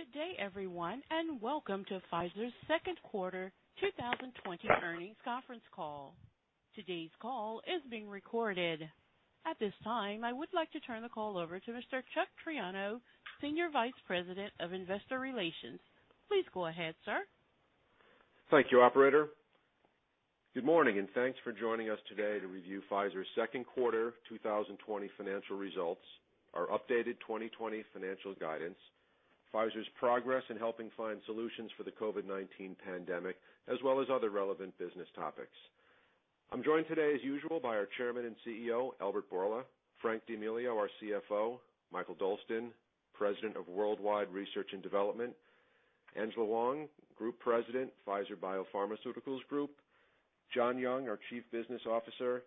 Good day, everyone, and welcome to Pfizer's second quarter 2020 earnings conference call. Today's call is being recorded. At this time, I would like to turn the call over to Mr. Chuck Triano, Senior Vice President of Investor Relations. Please go ahead, sir. Thank you, operator. Good morning. Thanks for joining us today to review Pfizer's second quarter 2020 financial results, our updated 2020 financial guidance, Pfizer's progress in helping find solutions for the COVID-19 pandemic, as well as other relevant business topics. I'm joined today, as usual, by our Chairman and CEO, Albert Bourla, Frank D'Amelio, our CFO, Mikael Dolsten, President of Worldwide Research and Development, Angela Hwang, Group President, Pfizer Biopharmaceuticals Group, John Young, our Chief Business Officer,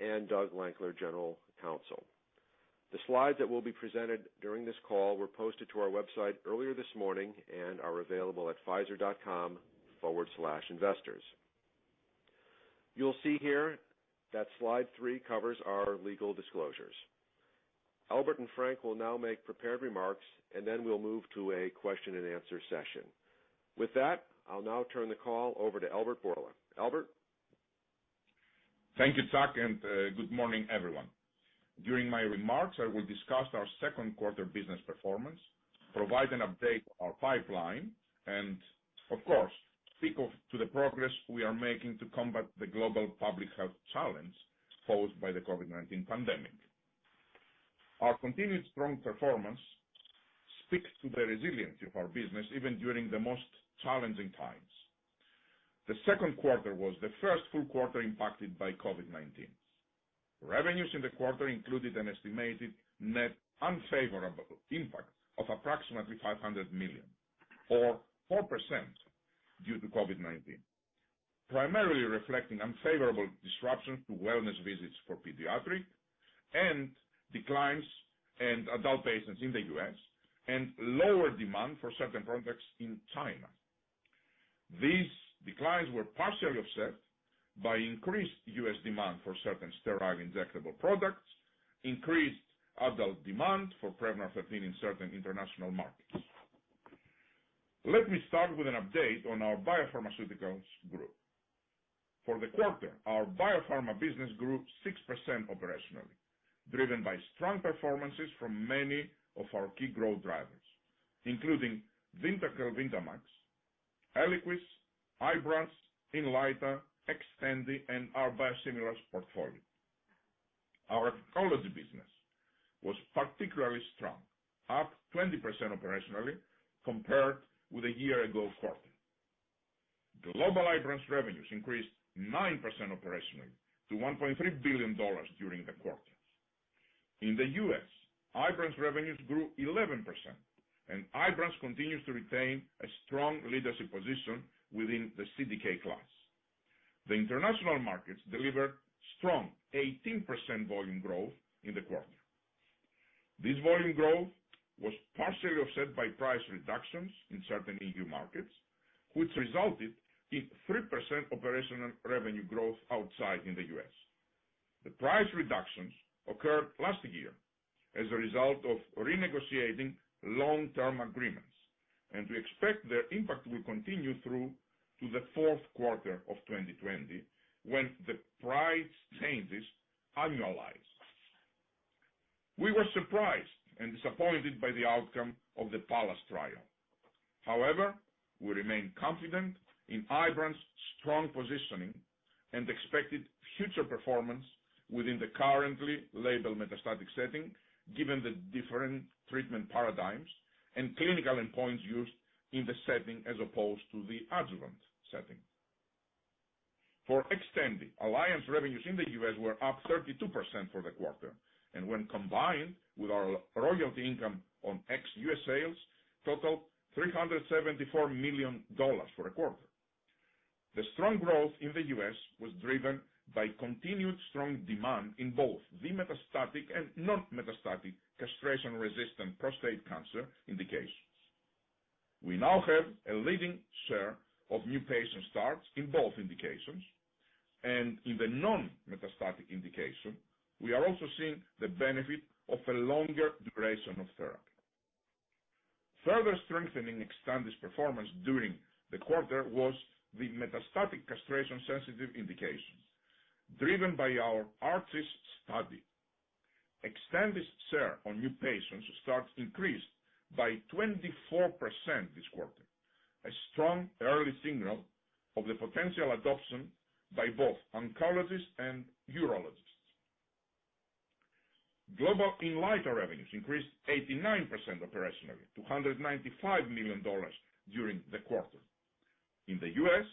and Doug Lankler, General Counsel. The slides that will be presented during this call were posted to our website earlier this morning and are available at pfizer.com/investors. You'll see here that slide three covers our legal disclosures. Albert and Frank will now make prepared remarks. Then we'll move to a question and answer session. With that, I'll now turn the call over to Albert Bourla. Albert? Thank you, Chuck. Good morning, everyone. During my remarks, I will discuss our second quarter business performance, provide an update on our pipeline, and of course, speak to the progress we are making to combat the global public health challenge posed by the COVID-19 pandemic. Our continued strong performance speaks to the resilience of our business, even during the most challenging times. The second quarter was the first full quarter impacted by COVID-19. Revenues in the quarter included an estimated net unfavorable impact of approximately $500 million or 4% due to COVID-19, primarily reflecting unfavorable disruptions to wellness visits for pediatric and declines in adult patients in the U.S. and lower demand for certain products in China. These declines were partially offset by increased U.S. demand for certain sterile injectable products, increased adult demand for PREVNAR 13 in certain international markets. Let me start with an update on our Biopharmaceuticals Group. For the quarter, our Biopharma business grew 6% operationally, driven by strong performances from many of our key growth drivers, including VYNDAQEL, VYNDAMAX, Eliquis, IBRANCE, INLYTA, XTANDI, and our biosimilars portfolio. Our oncology business was particularly strong, up 20% operationally compared with a year ago quarter. Global IBRANCE revenues increased 9% operationally to $1.3 billion during the quarter. In the U.S., IBRANCE revenues grew 11%, and IBRANCE continues to retain a strong leadership position within the CDK class. The international markets delivered strong 18% volume growth in the quarter. This volume growth was partially offset by price reductions in certain EU markets, which resulted in 3% operational revenue growth outside in the U.S. The price reductions occurred last year as a result of renegotiating long-term agreements, we expect their impact will continue through to the fourth quarter of 2020, when the price changes annualize. We were surprised and disappointed by the outcome of the PALLAS trial. However, we remain confident in IBRANCE's strong positioning and expected future performance within the currently labeled metastatic setting, given the different treatment paradigms and clinical endpoints used in the setting as opposed to the adjuvant setting. For XTANDI, Alliance revenues in the U.S. were up 32% for the quarter, and when combined with our royalty income on ex-U.S. sales, totaled $374 million for the quarter. The strong growth in the U.S. was driven by continued strong demand in both the metastatic and non-metastatic castration-resistant prostate cancer indications. We now have a leading share of new patient starts in both indications. In the non-metastatic indication, we are also seeing the benefit of a longer duration of therapy. Further strengthening XTANDI's performance during the quarter was the metastatic castration-sensitive indications, driven by our ARCHES study. XTANDI's share on new patient starts increased by 24% this quarter, a strong early signal of the potential adoption by both oncologists and urologists. Global INLYTA revenues increased 89% operationally to $195 million during the quarter. In the U.S.,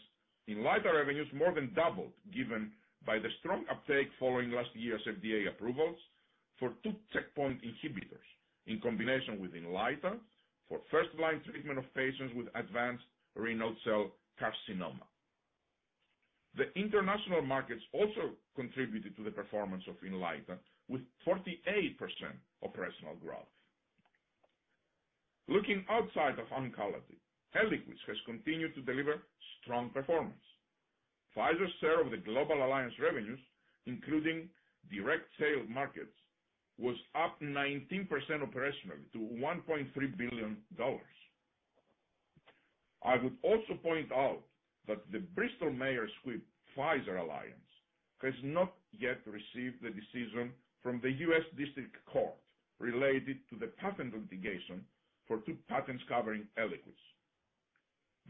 INLYTA revenues more than doubled given by the strong uptake following last year's FDA approvals for two checkpoint inhibitors in combination with INLYTA for first-line treatment of patients with advanced renal cell carcinoma. The international markets also contributed to the performance of INLYTA with 48% operational growth. Looking outside of oncology, ELIQUIS has continued to deliver strong performance. Pfizer's share of the global alliance revenues, including direct sale markets, was up 19% operationally to $1.3 billion. I would also point out that the Bristol Myers Squibb Pfizer Alliance has not yet received the decision from the U.S. District Court related to the patent litigation for two patents covering Eliquis.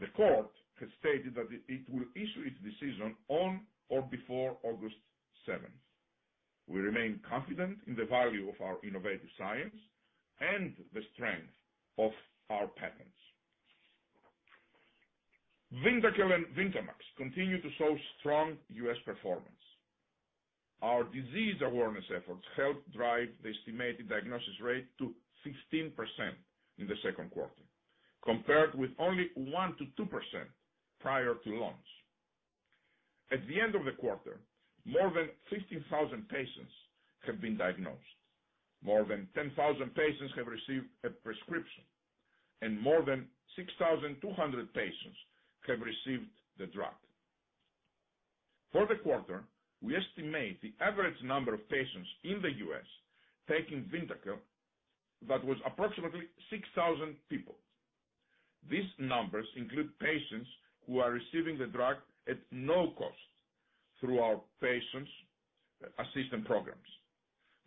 The court has stated that it will issue its decision on or before August 7th. We remain confident in the value of our innovative science and the strength of our patents. VYNDAQEL and VYNDAMAX continue to show strong U.S. performance. Our disease awareness efforts helped drive the estimated diagnosis rate to 16% in the second quarter, compared with only 1%-2% prior to launch. At the end of the quarter, more than 15,000 patients have been diagnosed. More than 10,000 patients have received a prescription, and more than 6,200 patients have received the drug. For the quarter, we estimate the average number of patients in the U.S. taking VYNDAQEL, that was approximately 6,000 people. These numbers include patients who are receiving the drug at no cost through our patients' assistance programs.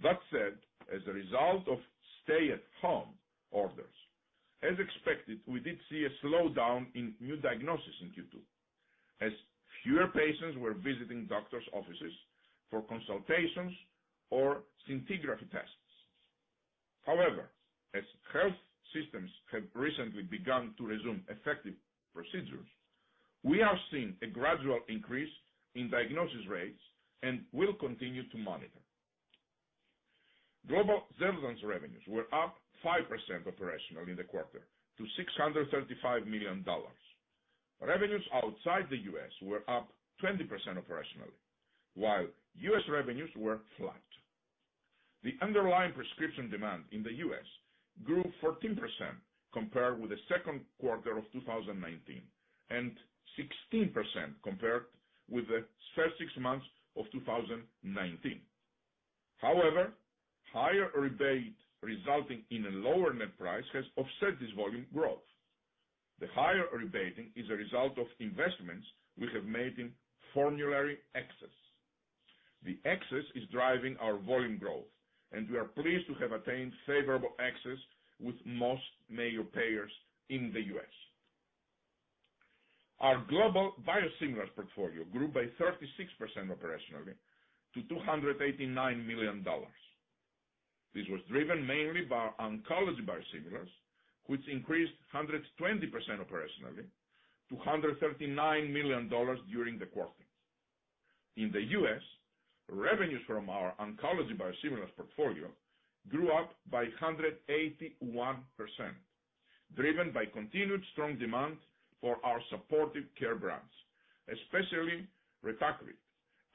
That said, as a result of stay-at-home orders, as expected, we did see a slowdown in new diagnoses in Q2, as fewer patients were visiting doctor's offices for consultations or scintigraphy tests. As health systems have recently begun to resume effective procedures, we are seeing a gradual increase in diagnosis rates and will continue to monitor. Global XELJANZ revenues were up 5% operationally in the quarter to $635 million. Revenues outside the U.S. were up 20% operationally, while U.S. revenues were flat. The underlying prescription demand in the U.S. grew 14% compared with the second quarter of 2019, and 16% compared with the first six months of 2019. Higher rebate resulting in a lower net price has offset this volume growth. The higher rebating is a result of investments we have made in formulary access. The access is driving our volume growth, and we are pleased to have attained favorable access with most major payers in the U.S. Our global biosimilars portfolio grew by 36% operationally to $289 million. This was driven mainly by our oncology biosimilars, which increased 120% operationally to $139 million during the quarter. In the U.S., revenues from our oncology biosimilars portfolio grew up by 181%, driven by continued strong demand for our supportive care brands, especially RETACRIT,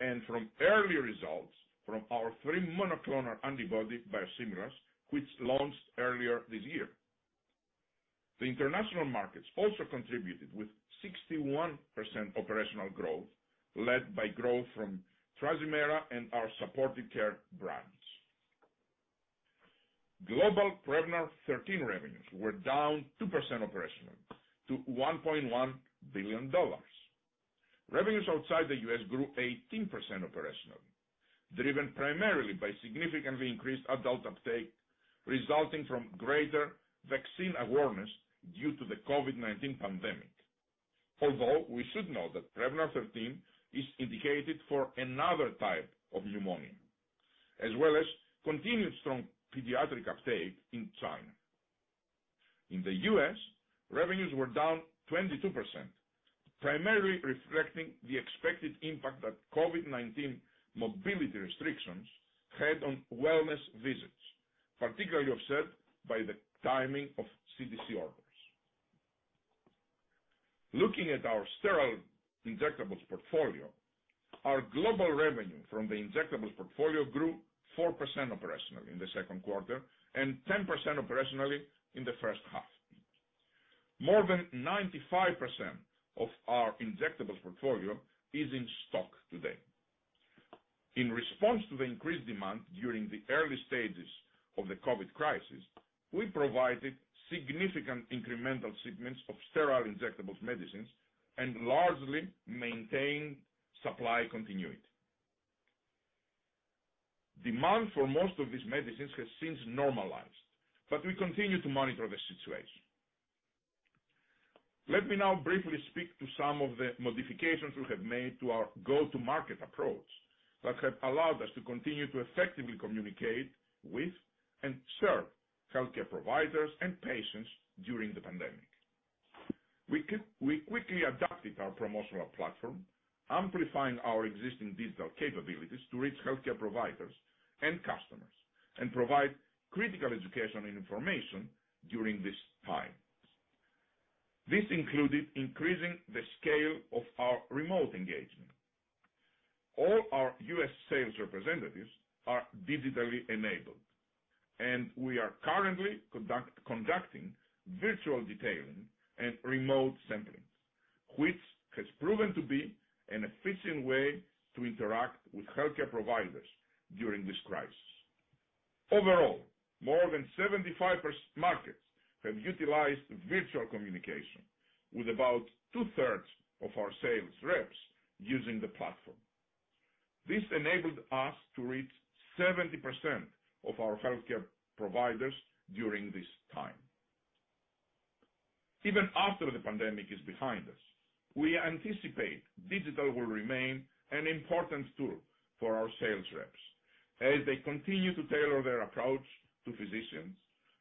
and from early results from our three monoclonal antibody biosimilars, which launched earlier this year. The international markets also contributed with 61% operational growth, led by growth from TRAZIMERA and our supportive care brands. Global PREVNAR 13 revenues were down 2% operationally to $1.1 billion. Revenues outside the U.S. grew 18% operationally, driven primarily by significantly increased adult uptake resulting from greater vaccine awareness due to the COVID-19 pandemic. We should note that PREVNAR 13 is indicated for another type of pneumonia, as well as continued strong pediatric uptake in China. In the U.S., revenues were down 22%, primarily reflecting the expected impact that COVID-19 mobility restrictions had on wellness visits, particularly offset by the timing of CDC orders. Looking at our sterile injectables portfolio, our global revenue from the injectables portfolio grew 4% operationally in the second quarter and 10% operationally in the first half. More than 95% of our injectables portfolio is in stock today. In response to the increased demand during the early stages of the COVID crisis, we provided significant incremental shipments of sterile injectable medicines and largely maintained supply continuity. Demand for most of these medicines has since normalized. We continue to monitor the situation. Let me now briefly speak to some of the modifications we have made to our go-to-market approach that have allowed us to continue to effectively communicate with and serve healthcare providers and patients during the pandemic. We quickly adapted our promotional platform, amplifying our existing digital capabilities to reach healthcare providers and customers and provide critical education and information during this time. This included increasing the scale of our remote engagement. All our U.S. sales representatives are digitally enabled, and we are currently conducting virtual detailing and remote sampling, which has proven to be an efficient way to interact with healthcare providers during this crisis. Overall, more than 75 markets have utilized virtual communication, with about two-thirds of our sales reps using the platform. This enabled us to reach 70% of our healthcare providers during this time. Even after the pandemic is behind us, we anticipate digital will remain an important tool for our sales reps as they continue to tailor their approach to physicians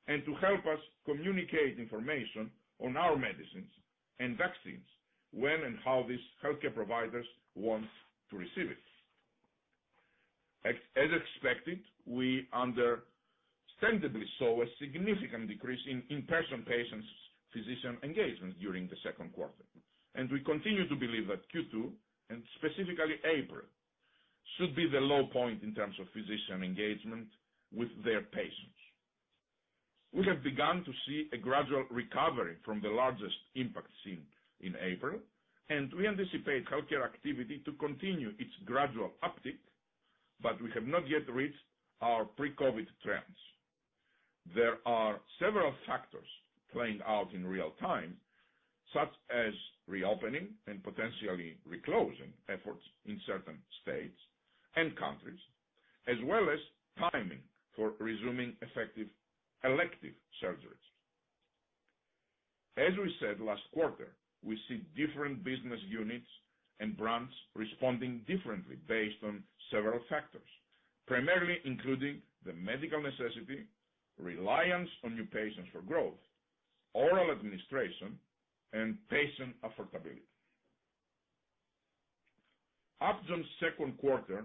and to help us communicate information on our medicines and vaccines when and how these healthcare providers want to receive it. As expected, we understandably saw a significant decrease in in-person patients-physician engagement during the second quarter. We continue to believe that Q2, and specifically April, should be the low point in terms of physician engagement with their patients. We have begun to see a gradual recovery from the largest impact seen in April. We anticipate healthcare activity to continue its gradual uptick, but we have not yet reached our pre-COVID trends. There are several factors playing out in real-time, such as reopening and potentially reclosing efforts in certain states and countries, as well as timing for resuming effective elective surgeries. As we said last quarter, we see different business units and brands responding differently based on several factors, primarily including the medical necessity, reliance on new patients for growth, oral administration, and patient affordability. Upjohn's second quarter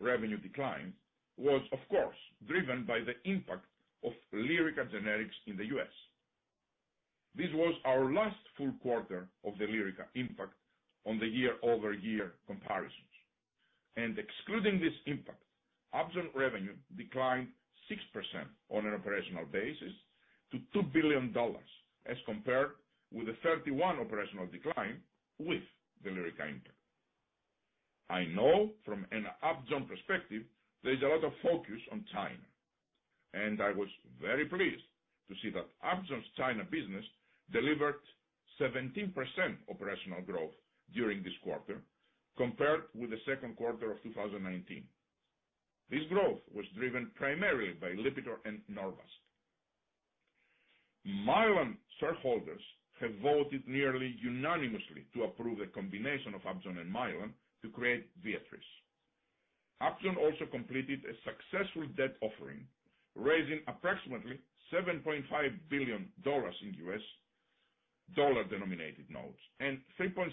revenue decline was, of course, driven by the impact of LYRICA generics in the U.S. This was our last full quarter of the LYRICA impact on the year-over-year comparisons. Excluding this impact, Upjohn's revenue declined 6% on an operational basis to $2 billion as compared with a 31% operational decline with the LYRICA impact. I know from an Upjohn perspective, there's a lot of focus on China. I was very pleased to see that Upjohn's China business delivered 17% operational growth during this quarter compared with the second quarter of 2019. This growth was driven primarily by LIPITOR and NORVASC. Mylan shareholders have voted nearly unanimously to approve the combination of Upjohn and Mylan to create Viatris. Upjohn also completed a successful debt offering, raising approximately $7.5 billion in U.S. dollar-denominated notes and 3.6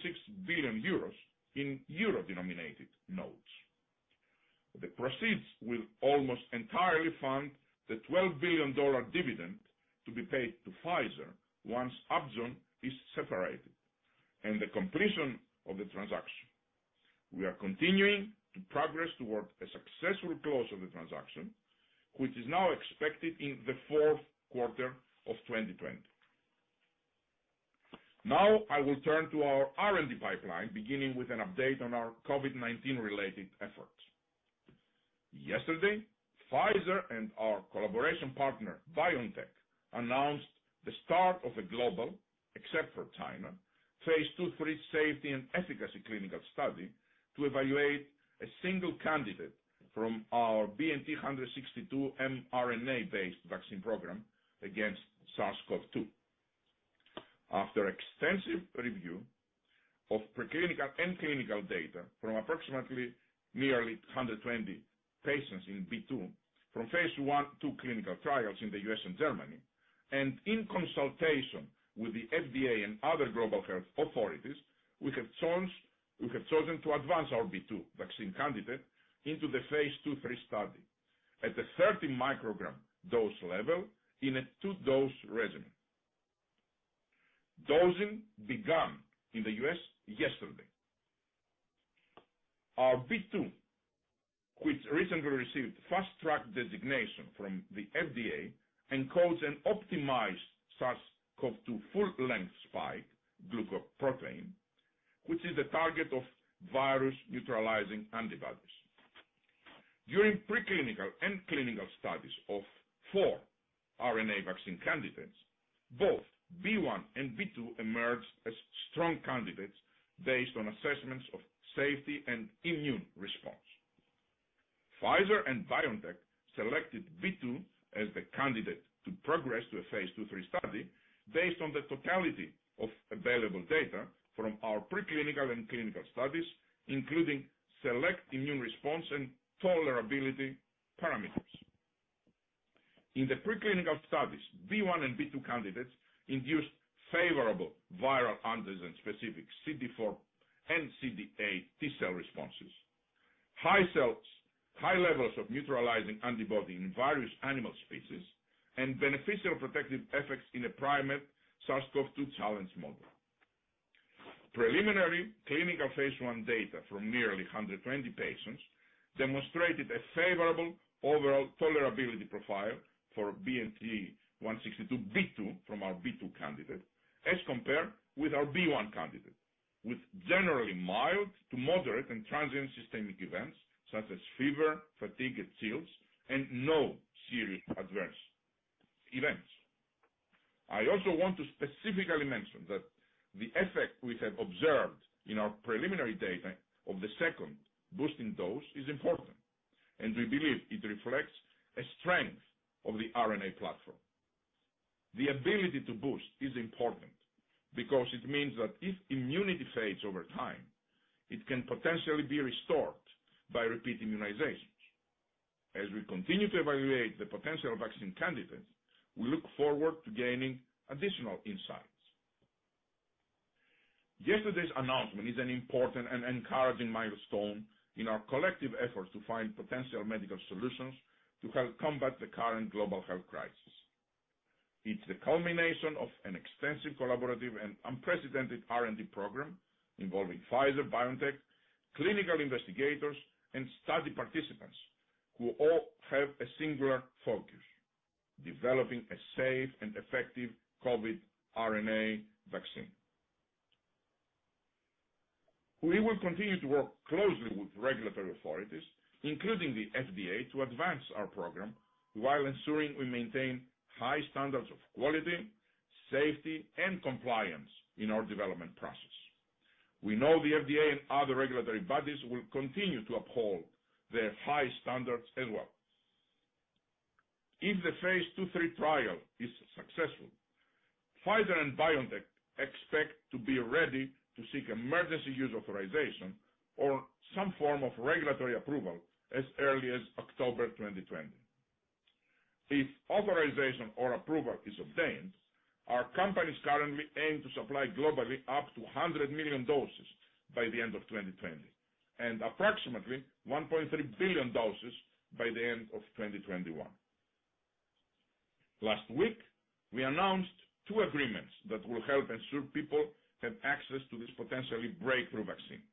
billion euros in EUR-denominated notes. The proceeds will almost entirely fund the $12 billion dividend to be paid to Pfizer once Upjohn is separated and the completion of the transaction. We are continuing to progress toward a successful close of the transaction, which is now expected in the fourth quarter of 2020. I will turn to our R&D pipeline, beginning with an update on our COVID-19-related efforts. Yesterday, Pfizer and our collaboration partner, BioNTech, announced the start of a global, except for China, phase II-III safety and efficacy clinical study to evaluate a single candidate from our BNT162 mRNA-based vaccine program against SARS-CoV-2. After extensive review of preclinical and clinical data from approximately 120 patients in B2 from phase I, II clinical trials in the U.S. and Germany, and in consultation with the FDA and other global health authorities, we have chosen to advance our B2 vaccine candidate into the phase II-III study at the 30 microgram dose level in a two-dose regimen. Dosing began in the U.S. yesterday. Our B2, which recently received Fast Track designation from the FDA, encodes an optimized SARS-CoV-2 full-length spike glycoprotein, which is a target of virus-neutralizing antibodies. During preclinical and clinical studies of four RNA vaccine candidates, both B1 and B2 emerged as strong candidates based on assessments of safety and immune response. Pfizer and BioNTech selected B2 as the candidate to progress to a phase II-III study based on the totality of available data from our preclinical and clinical studies, including select immune response and tolerability parameters. In the preclinical studies, B1 and B2 candidates induced favorable viral antigen-specific CD4 and CD8 T-cell responses. High levels of neutralizing antibody in various animal species and beneficial protective effects in a primate SARS-CoV-2 challenge model. Preliminary clinical phase I data from nearly 120 patients demonstrated a favorable overall tolerability profile for BNT162b2 from our B2 candidate as compared with our B1 candidate, with generally mild to moderate and transient systemic events such as fever, fatigue, and chills, and no serious adverse events. I also want to specifically mention that the effect we have observed in our preliminary data of the second boosting dose is important, and we believe it reflects a strength of the RNA platform. The ability to boost is important because it means that if immunity fades over time, it can potentially be restored by repeat immunizations. As we continue to evaluate the potential vaccine candidates, we look forward to gaining additional insights. Yesterday's announcement is an important and encouraging milestone in our collective efforts to find potential medical solutions to help combat the current global health crisis. It's the culmination of an extensive collaborative and unprecedented R&D program involving Pfizer, BioNTech, clinical investigators, and study participants who all have a singular focus: developing a safe and effective COVID RNA vaccine. We will continue to work closely with regulatory authorities, including the FDA, to advance our program while ensuring we maintain high standards of quality, safety, and compliance in our development process. We know the FDA and other regulatory bodies will continue to uphold their high standards as well. If the phase II-III trial is successful, Pfizer and BioNTech expect to be ready to seek emergency use authorization or some form of regulatory approval as early as October 2020. If authorization or approval is obtained, our companies currently aim to supply globally up to 100 million doses by the end of 2020 and approximately 1.3 billion doses by the end of 2021. Last week, we announced two agreements that will help ensure people have access to this potentially breakthrough vaccine,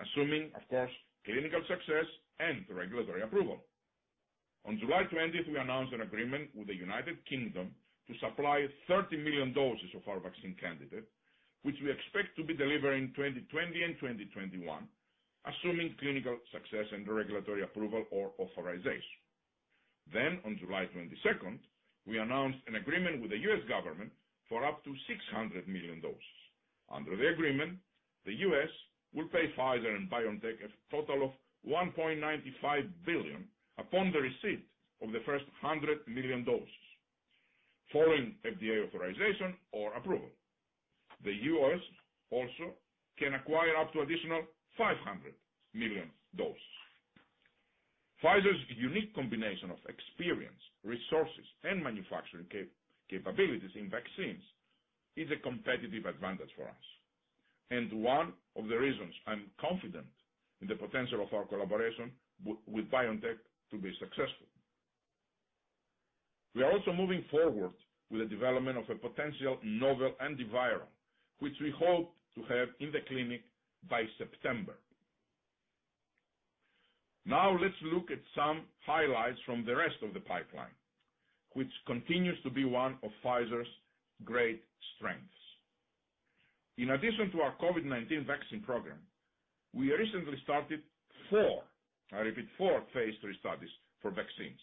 assuming, of course, clinical success and regulatory approval. On July 20th, we announced an agreement with the U.K. to supply 30 million doses of our vaccine candidate, which we expect to be delivered in 2020 and 2021, assuming clinical success and regulatory approval or authorization. On July 22nd, we announced an agreement with the U.S. government for up to 600 million doses. Under the agreement, the U.S. will pay Pfizer and BioNTech a total of $1.95 billion upon the receipt of the first 100 million doses following FDA authorization or approval. The U.S. also can acquire up to additional 500 million doses. Pfizer's unique combination of experience, resources, and manufacturing capabilities in vaccines is a competitive advantage for us and one of the reasons I'm confident in the potential of our collaboration with BioNTech to be successful. We are also moving forward with the development of a potential novel antiviral, which we hope to have in the clinic by September. Let's look at some highlights from the rest of the pipeline, which continues to be one of Pfizer's great strengths. In addition to our COVID-19 vaccine program, we recently started four phase III studies for vaccines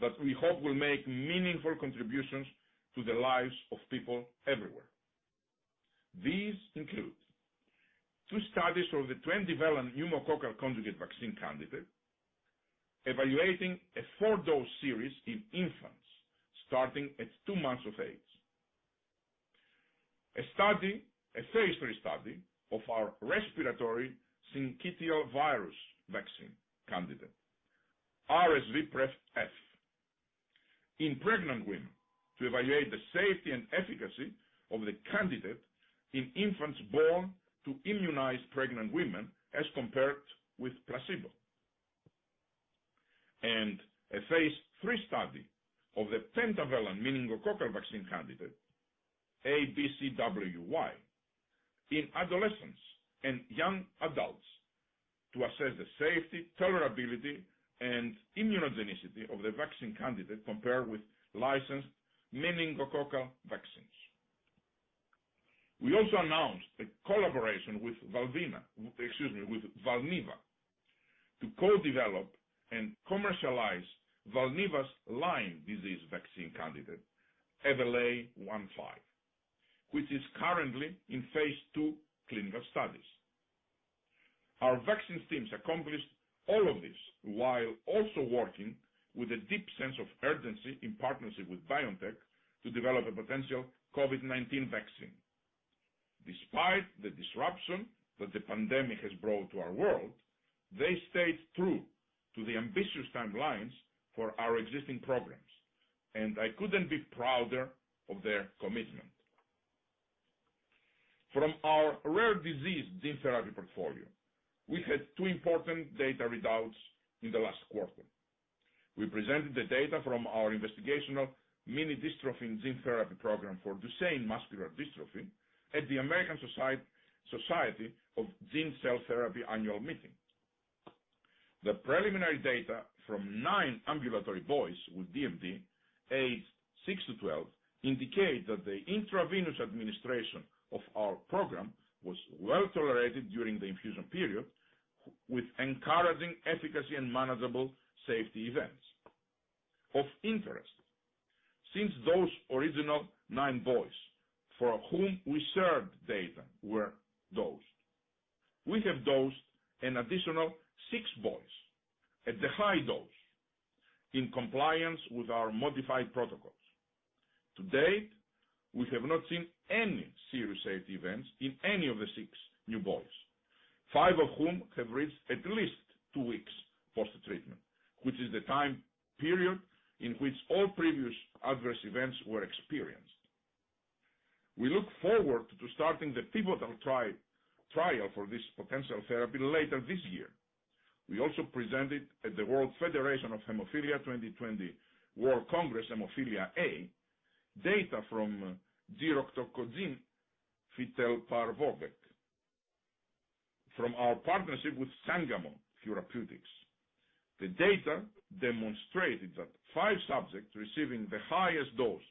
that we hope will make meaningful contributions to the lives of people everywhere. These include two studies of the 20-valent Pneumococcal conjugate vaccine candidate evaluating a four-dose series in infants starting at two months of age. A phase III study of our respiratory syncytial virus vaccine candidate, RSVpreF, in pregnant women to evaluate the safety and efficacy of the candidate in infants born to immunized pregnant women as compared with placebo. A phase III study of the pentavalent meningococcal vaccine candidate, ABCWY, in adolescents and young adults to assess the safety, tolerability, and immunogenicity of the vaccine candidate compared with licensed meningococcal vaccines. We also announced a collaboration with Valneva to co-develop and commercialize Valneva's Lyme disease vaccine candidate, VLA15, which is currently in phase II clinical studies. Our vaccines teams accomplished all of this while also working with a deep sense of urgency in partnership with BioNTech to develop a potential COVID-19 vaccine. Despite the disruption that the pandemic has brought to our world, they stayed true to the ambitious timelines for our existing programs, and I couldn't be prouder of their commitment. From our rare disease gene therapy portfolio, we had two important data readouts in the last quarter. We presented the data from our investigational minidystrophin gene therapy program for Duchenne muscular dystrophy at the American Society of Gene & Cell Therapy annual meeting. The preliminary data from nine ambulatory boys with DMD, aged six to 12, indicate that the intravenous administration of our program was well-tolerated during the infusion period, with encouraging efficacy and manageable safety events. Of interest, since those original nine boys for whom we shared data were dosed, we have dosed an additional six boys at the high dose in compliance with our modified protocols. To date, we have not seen any serious safety events in any of the six new boys, five of whom have reached at least two weeks post-treatment, which is the time period in which all previous adverse events were experienced. We look forward to starting the pivotal trial for this potential therapy later this year. We also presented at the World Federation of Hemophilia 2020 World Congress Hemophilia A data from giroctocogene fitelparvovec from our partnership with Sangamo Therapeutics. The data demonstrated that five subjects receiving the highest dose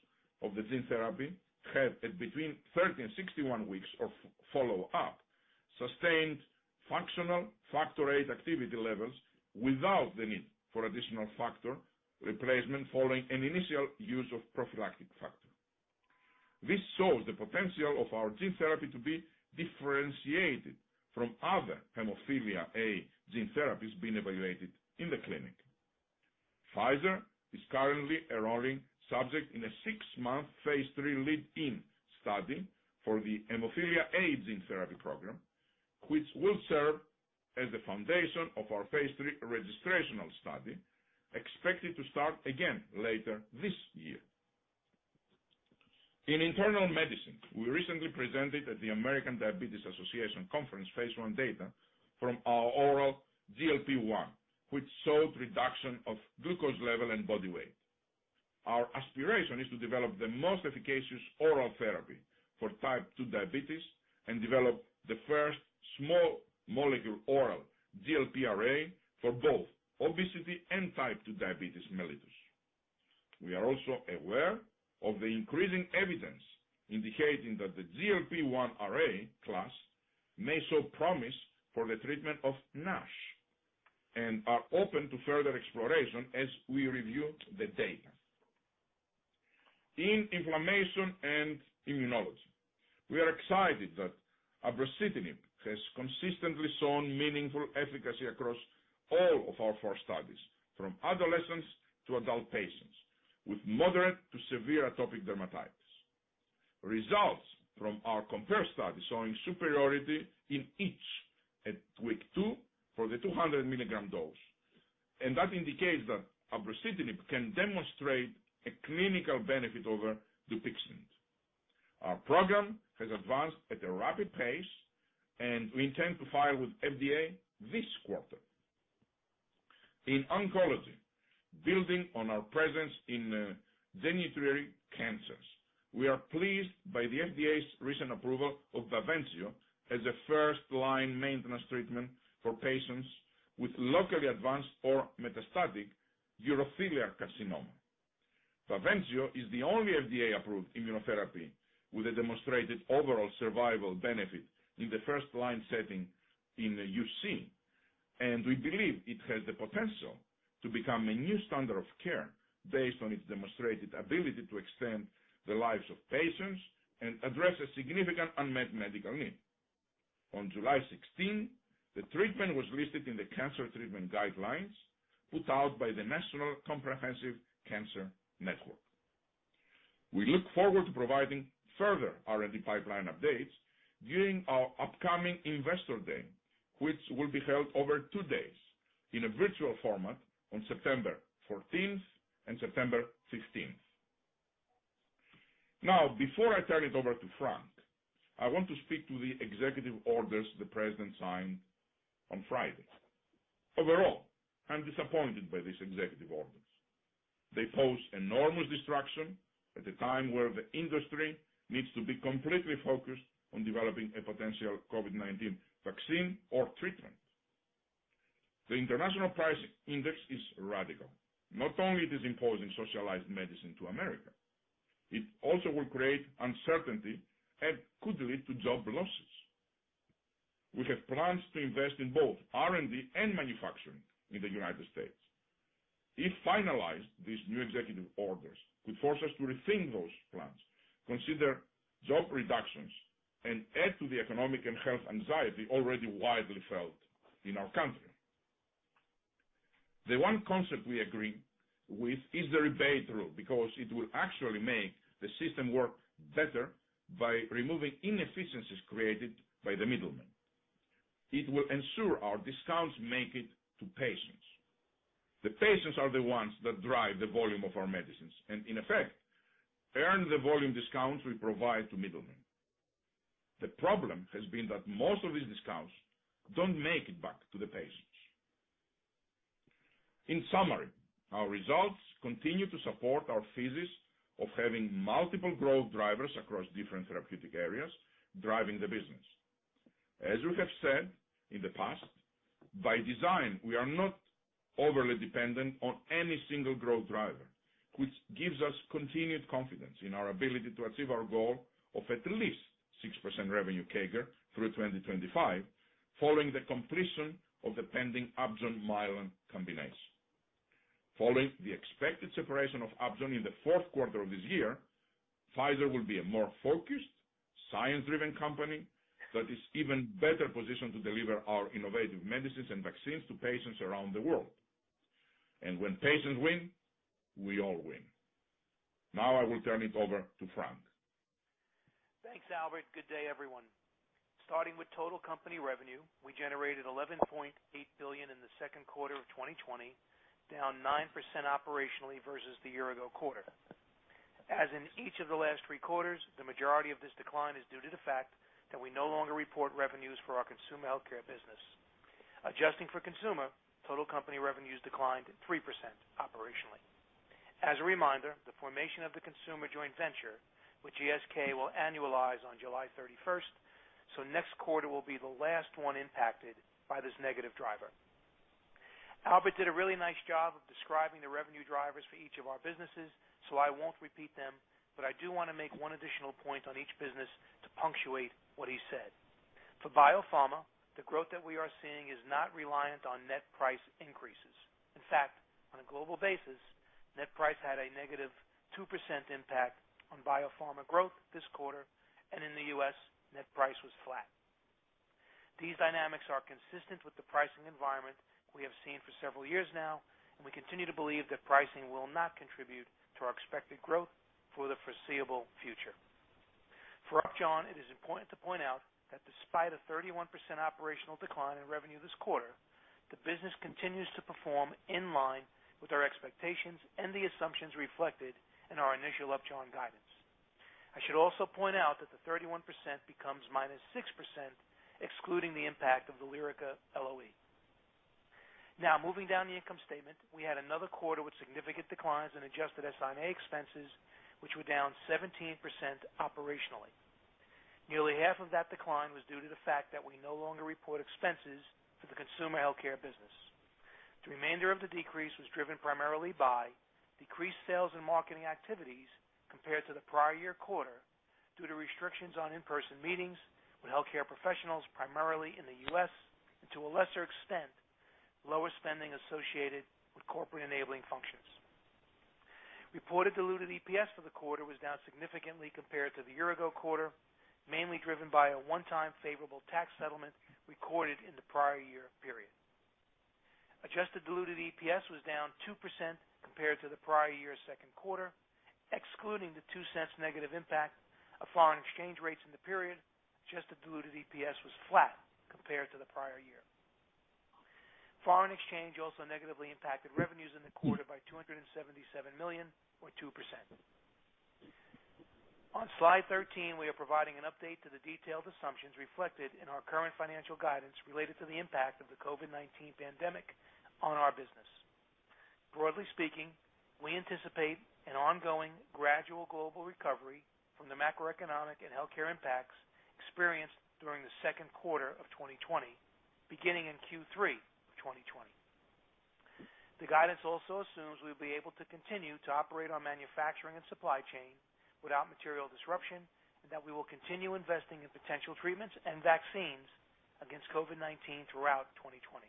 of the gene therapy had between 30 and 61 weeks of follow-up, sustained functional factor eight activity levels without the need for additional factor replacement following an initial use of prophylactic factor. This shows the potential of our gene therapy to be differentiated from other hemophilia A gene therapies being evaluated in the clinic. Pfizer is currently enrolling subjects in a six-month phase III lead-in study for the hemophilia A gene therapy program, which will serve as the foundation of our phase III registrational study, expected to start again later this year. In internal medicine, we recently presented at the American Diabetes Association Conference phase I data from our oral GLP-1, which showed reduction of glucose level and body weight. Our aspiration is to develop the most efficacious oral therapy for type two diabetes and develop the first small molecule oral GLP-1RA for both obesity and type two diabetes mellitus. We are also aware of the increasing evidence indicating that the GLP-1RA class may show promise for the treatment of NASH and are open to further exploration as we review the data. In inflammation and immunology, we are excited that abrocitinib has consistently shown meaningful efficacy across all of our four studies, from adolescents to adult patients with moderate to severe atopic dermatitis. Results from our COMPARE study showing superiority in each at week two for the 200 milligram dose, that indicates that abrocitinib can demonstrate a clinical benefit over Dupixent. Our program has advanced at a rapid pace, and we intend to file with FDA this quarter. In oncology, building on our presence in genitourinary cancers, we are pleased by the FDA's recent approval of BAVENCIO as a first-line maintenance treatment for patients with locally advanced or metastatic urothelial carcinoma. BAVENCIO is the only FDA-approved immunotherapy with a demonstrated overall survival benefit in the first-line setting in UC, and we believe it has the potential to become a new standard of care based on its demonstrated ability to extend the lives of patients and address a significant unmet medical need. On July 16, the treatment was listed in the cancer treatment guidelines put out by the National Comprehensive Cancer Network. We look forward to providing further R&D pipeline updates during our upcoming Investor Day, which will be held over two days in a virtual format on September 14th and September 16th. Before I turn it over to Frank, I want to speak to the executive orders the President signed on Friday. I'm disappointed by these executive orders. They pose enormous disruption at a time where the industry needs to be completely focused on developing a potential COVID-19 vaccine or treatment. The International Pricing Index is radical. Not only it is imposing socialized medicine to America, it also will create uncertainty and could lead to job losses. We have plans to invest in both R&D and manufacturing in the United States. If finalized, these new executive orders could force us to rethink those plans, consider job reductions, and add to the economic and health anxiety already widely felt in our country. The one concept we agree with is the rebate rule, because it will actually make the system work better by removing inefficiencies created by the middlemen. It will ensure our discounts make it to patients. The patients are the ones that drive the volume of our medicines, and in effect, earn the volume discounts we provide to middlemen. The problem has been that most of these discounts don't make it back to the patients. In summary, our results continue to support our thesis of having multiple growth drivers across different therapeutic areas, driving the business. As we have said in the past, by design, we are not overly dependent on any single growth driver, which gives us continued confidence in our ability to achieve our goal of at least 6% revenue CAGR through 2025, following the completion of the pending Upjohn-Mylan combination. Following the expected separation of Upjohn in the fourth quarter of this year, Pfizer will be a more focused, science-driven company that is even better positioned to deliver our innovative medicines and vaccines to patients around the world. When patients win, we all win. Now I will turn it over to Frank. Thanks, Albert. Good day, everyone. Starting with total company revenue, we generated $11.8 billion in the second quarter of 2020, down 9% operationally versus the year-ago quarter. As in each of the last three quarters, the majority of this decline is due to the fact that we no longer report revenues for our Consumer Healthcare business. Adjusting for consumer, total company revenues declined 3% operationally. As a reminder, the formation of the consumer joint venture with GSK will annualize on July 31st, so next quarter will be the last one impacted by this negative driver. Albert did a really nice job of describing the revenue drivers for each of our businesses, so I won't repeat them, but I do want to make one additional point on each business to punctuate what he said. For BioPharma, the growth that we are seeing is not reliant on net price increases. In fact, on a global basis, net price had a negative 2% impact on Biopharma growth this quarter, and in the U.S., net price was flat. These dynamics are consistent with the pricing environment we have seen for several years now, and we continue to believe that pricing will not contribute to our expected growth for the foreseeable future. For Upjohn, it is important to point out that despite a 31% operational decline in revenue this quarter, the business continues to perform in line with our expectations and the assumptions reflected in our initial Upjohn guidance. I should also point out that the 31% becomes -6% excluding the impact of the Lyrica LOE. Moving down the income statement, we had another quarter with significant declines in adjusted SI&A expenses, which were down 17% operationally. Nearly half of that decline was due to the fact that we no longer report expenses for the Consumer Healthcare business. The remainder of the decrease was driven primarily by decreased sales and marketing activities compared to the prior year quarter, due to restrictions on in-person meetings with healthcare professionals, primarily in the U.S., and to a lesser extent, lower spending associated with corporate enabling functions. Reported diluted EPS for the quarter was down significantly compared to the year-ago quarter, mainly driven by a one-time favorable tax settlement recorded in the prior year period. Adjusted diluted EPS was down 2% compared to the prior year's second quarter, excluding the $0.02 negative impact of foreign exchange rates in the period, adjusted diluted EPS was flat compared to the prior year. Foreign exchange also negatively impacted revenues in the quarter by $277 million or 2%. On slide 13, we are providing an update to the detailed assumptions reflected in our current financial guidance related to the impact of the COVID-19 pandemic on our business. Broadly speaking, we anticipate an ongoing gradual global recovery from the macroeconomic and healthcare impacts experienced during the second quarter of 2020, beginning in Q3 of 2020. The guidance also assumes we'll be able to continue to operate our manufacturing and supply chain without material disruption and that we will continue investing in potential treatments and vaccines against COVID-19 throughout 2020,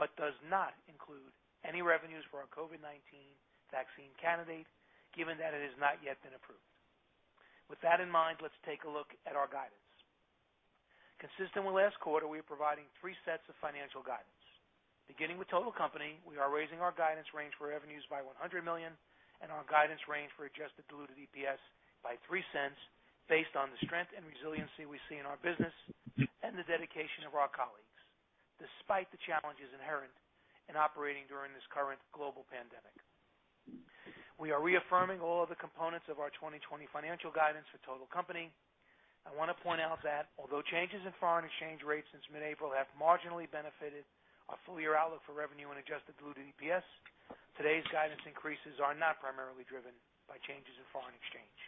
but does not include any revenues for our COVID-19 vaccine candidate, given that it has not yet been approved. With that in mind, let's take a look at our guidance. Consistent with last quarter, we are providing three sets of financial guidance. Beginning with total company, we are raising our guidance range for revenues by $100 million and our guidance range for adjusted diluted EPS by $0.03 based on the strength and resiliency we see in our business and the dedication of our colleagues, despite the challenges inherent in operating during this current global pandemic. We are reaffirming all of the components of our 2020 financial guidance for total company. I want to point out that although changes in foreign exchange rates since mid-April have marginally benefited our full-year outlook for revenue and adjusted diluted EPS, today's guidance increases are not primarily driven by changes in foreign exchange.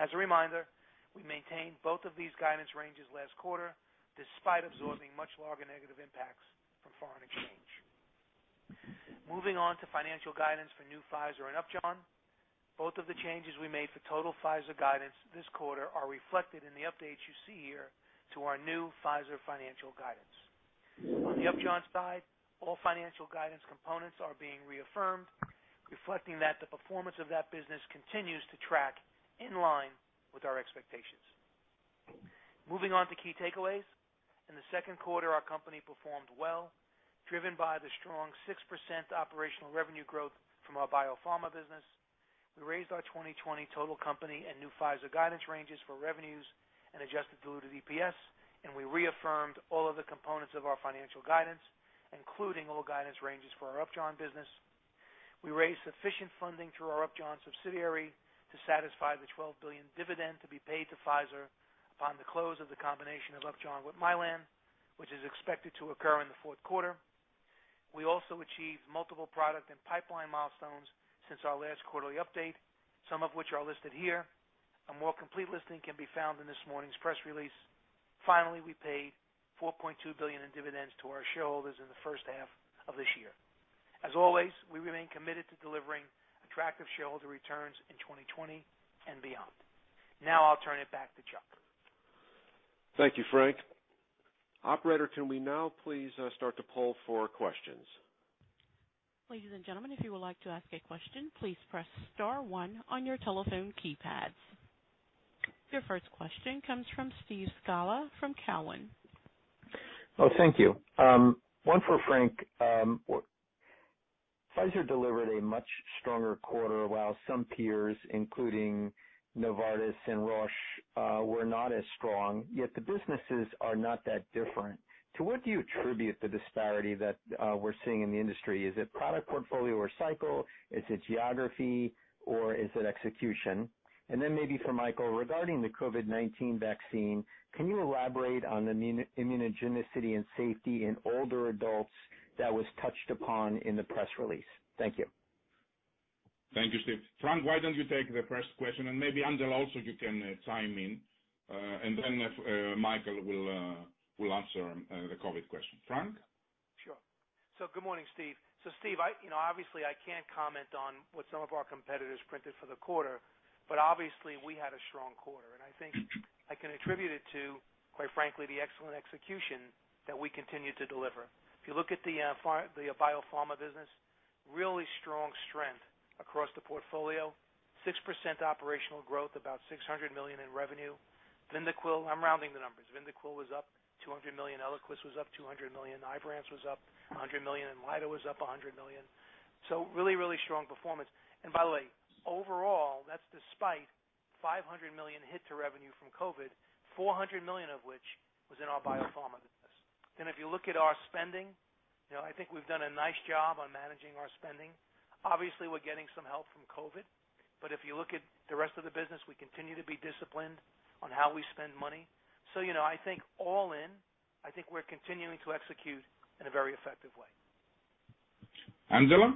As a reminder, we maintained both of these guidance ranges last quarter despite absorbing much larger negative impacts from foreign exchange. Moving on to financial guidance for New Pfizer and Upjohn. Both of the changes we made for total Pfizer guidance this quarter are reflected in the updates you see here to our new Pfizer financial guidance. On the Upjohn side, all financial guidance components are being reaffirmed, reflecting that the performance of that business continues to track in line with our expectations. Moving on to key takeaways. In the second quarter, our company performed well, driven by the strong 6% operational revenue growth from our BioPharma business. We raised our 2020 total company and new Pfizer guidance ranges for revenues and adjusted diluted EPS, and we reaffirmed all of the components of our financial guidance, including all guidance ranges for our Upjohn business. We raised sufficient funding through our Upjohn subsidiary to satisfy the $12 billion dividend to be paid to Pfizer upon the close of the combination of Upjohn with Mylan, which is expected to occur in the fourth quarter. We also achieved multiple product and pipeline milestones since our last quarterly update, some of which are listed here. A more complete listing can be found in this morning's press release. Finally, we paid $4.2 billion in dividends to our shareholders in the first half of this year. As always, we remain committed to delivering attractive shareholder returns in 2020 and beyond. Now, I'll turn it back to Chuck. Thank you, Frank. Operator, can we now please start to poll for questions? Ladies and gentlemen, if you would like to ask a question, please press star one on your telephone keypads. Your first question comes from Steve Scala from Cowen. Thank you. One for Frank. Pfizer delivered a much stronger quarter, while some peers, including Novartis and Roche, were not as strong, yet the businesses are not that different. To what do you attribute the disparity that we're seeing in the industry? Is it product portfolio or cycle? Is it geography, or is it execution? Then maybe for Mikael, regarding the COVID-19 vaccine, can you elaborate on the immunogenicity and safety in older adults that was touched upon in the press release? Thank you. Thank you, Steve. Frank, why don't you take the first question, and maybe Angela also you can chime in, and then Mikael will answer the COVID question. Frank? Sure. Good morning, Steve. Steve, obviously, I can't comment on what some of our competitors printed for the quarter, but obviously, we had a strong quarter, and I think I can attribute it to, quite frankly, the excellent execution that we continue to deliver. If you look at the Biopharma business, really strong strength across the portfolio, 6% operational growth, about $600 million in revenue. I'm rounding the numbers. VYNDAQEL was up $200 million, Eliquis was up $200 million, IBRANCE was up $100 million, and INLYTA was up $100 million. Really strong performance. By the way, overall, that's despite $500 million hit to revenue from COVID, $400 million of which was in our Biopharma business. If you look at our spending, I think we've done a nice job on managing our spending. We're getting some help from COVID, but if you look at the rest of the business, we continue to be disciplined on how we spend money. I think all in, I think we're continuing to execute in a very effective way. Angela?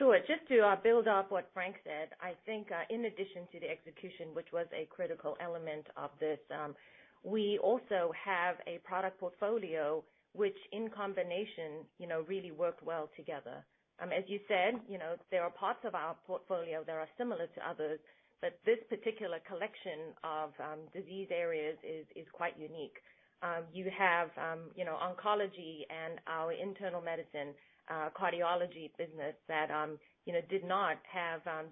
Sure. Just to build off what Frank said, I think in addition to the execution, which was a critical element of this, we also have a product portfolio which in combination really worked well together. As you said, there are parts of our portfolio that are similar to others, but this particular collection of disease areas is quite unique. You have oncology and our internal medicine cardiology business that